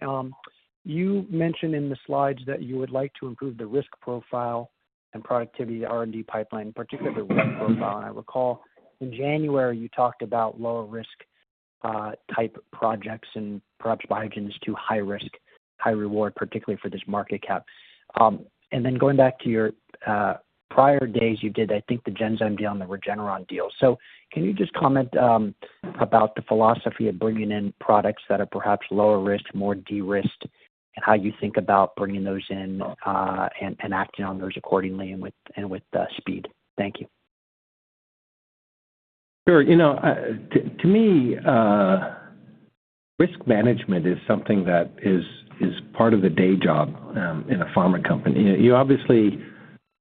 Speaker 13: You mentioned in the slides that you would like to improve the risk profile and productivity R&D pipeline, particularly risk profile. I recall in January, you talked about lower risk type projects and perhaps Biogen is too high risk, high reward, particularly for this market cap. Going back to your prior days, you did, I think, the Genzyme deal and the Regeneron deal. Can you just comment about the philosophy of bringing in products that are perhaps lower risk, more de-risked, and how you think about bringing those in and acting on those accordingly and with speed? Thank you.
Speaker 3: Sure. You know, to me, risk management is something that is part of the day job, in a pharma company. You obviously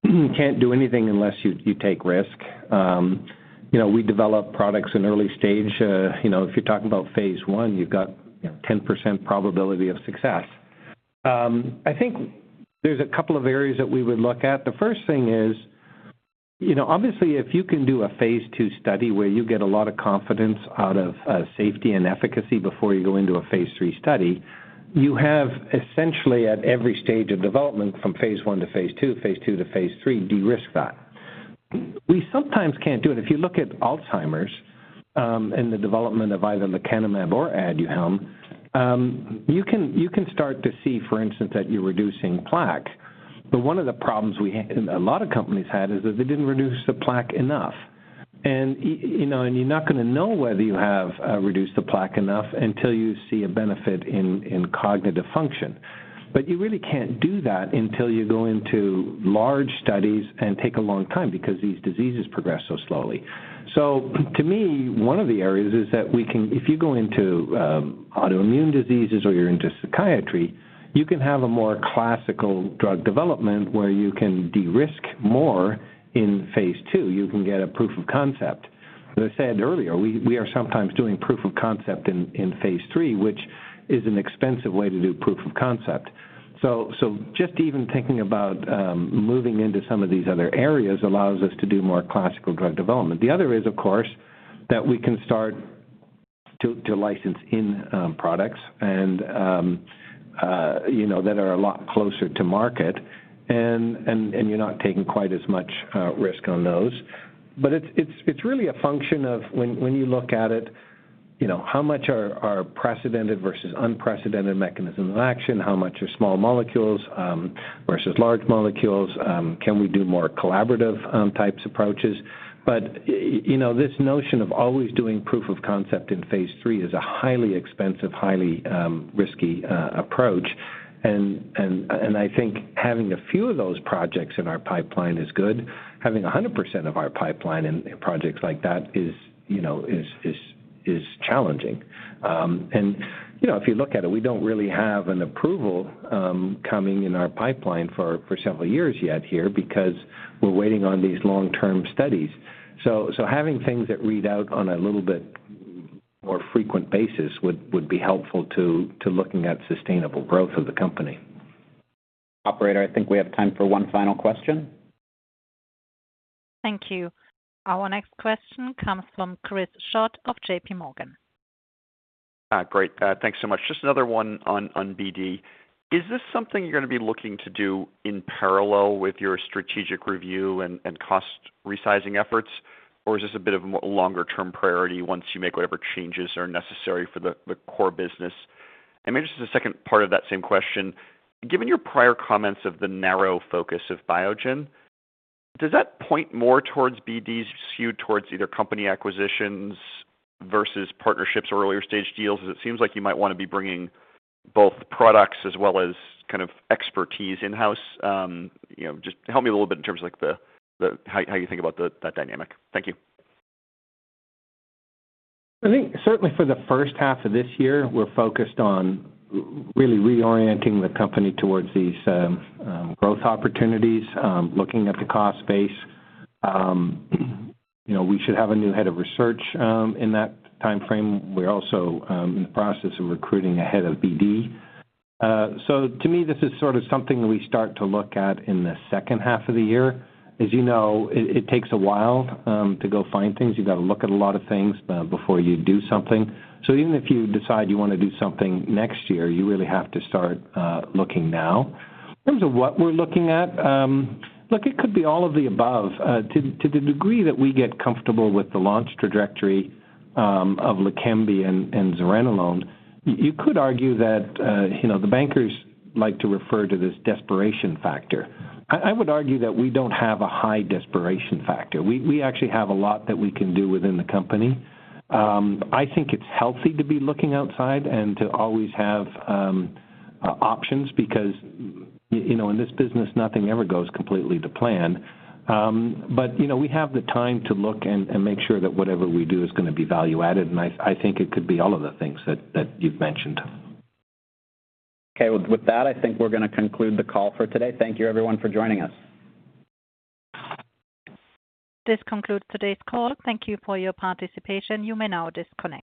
Speaker 3: can't do anything unless you take risk. You know, we develop products in early stage, you know, if you're talking about phase 1, you've got 10% probability of success. I think there's a couple of areas that we would look at. The first thing is, you know, obviously, if you can do a phase two study where you get a lot of confidence out of, safety and efficacy before you go into a phase three study, you have essentially at every stage of development, from phase one to phase two, phase two to phase three, de-risk that. We sometimes can't do it. If you look at Alzheimer's, and the development of either lecanemab or ADUHELM, you can start to see, for instance, that you're reducing plaque. One of the problems we had and a lot of companies had is that they didn't reduce the plaque enough. You know, and you're not going to know whether you have, reduced the plaque enough until you see a benefit in cognitive function. You really can't do that until you go into large studies and take a long time because these diseases progress so slowly. To me, one of the areas is that we can... if you go into, autoimmune diseases or you're into psychiatry, you can have a more classical drug development where you can de-risk more in phase two. You can get a proof of concept. As I said earlier, we are sometimes doing proof of concept in phase three, which is an expensive way to do proof of concept. Just even thinking about moving into some of these other areas allows us to do more classical drug development. The other is, of course, that we can start to license in products and, you know, that are a lot closer to market and you're not taking quite as much risk on those. It's really a function of when you look at it, you know, how much are precedented versus unprecedented mechanism of action? How much are small molecules versus large molecules? Can we do more collaborative types approaches? You know, this notion of always doing proof of concept in Phase three is a highly expensive, highly risky approach. I think having a few of those projects in our pipeline is good. Having 100% of our pipeline in projects like that is, you know, is challenging. You know, if you look at it, we don't really have an approval coming in our pipeline for several years yet here because we're waiting on these long-term studies. Having things that read out on a little bit more frequent basis would be helpful to looking at sustainable growth of the company. Operator, I think we have time for one final question.
Speaker 1: Thank you. Our next question comes from Chris Schott of JPMorgan.
Speaker 14: Great. Thanks so much. Just another one on BD. Is this something you're going to be looking to do in parallel with your strategic review and cost resizing efforts? Or is this a bit of a longer-term priority once you make whatever changes are necessary for the core business? Maybe just as a second part of that same question, given your prior comments of the narrow focus of Biogen, does that point more towards BD's skewed towards either company acquisitions versus partnerships or earlier-stage deals? 'Cause it seems like you might want to be bringing both products as well as kind of expertise in-house, you know, just help me a little bit in terms of like the how you think about that dynamic. Thank you.
Speaker 3: I think certainly for the first half of this year, we're focused on really reorienting the company towards these growth opportunities, looking at the cost base. You know, we should have a new head of research in that timeframe. We're also in the process of recruiting a head of BD. To me, this is sort of something that we start to look at in the second half of the year. As you know, it takes a while to go find things. You've got to look at a lot of things before you do something. Even if you decide you want to do something next year, you really have to start looking now. In terms of what we're looking at, look, it could be all of the above. to the degree that we get comfortable with the launch trajectory of LEQEMBI and zuranolone, you could argue that, you know, the bankers like to refer to this desperation factor. I would argue that we don't have a high desperation factor. We actually have a lot that we can do within the company. I think it's healthy to be looking outside and to always have options because, you know, in this business, nothing ever goes completely to plan. You know, we have the time to look and make sure that whatever we do is going to be value added, and I think it could be all of the things that you've mentioned.
Speaker 9: Okay. With that, I think we're going to conclude the call for today. Thank you everyone for joining us.
Speaker 1: This concludes today's call. Thank you for your participation. You may now disconnect.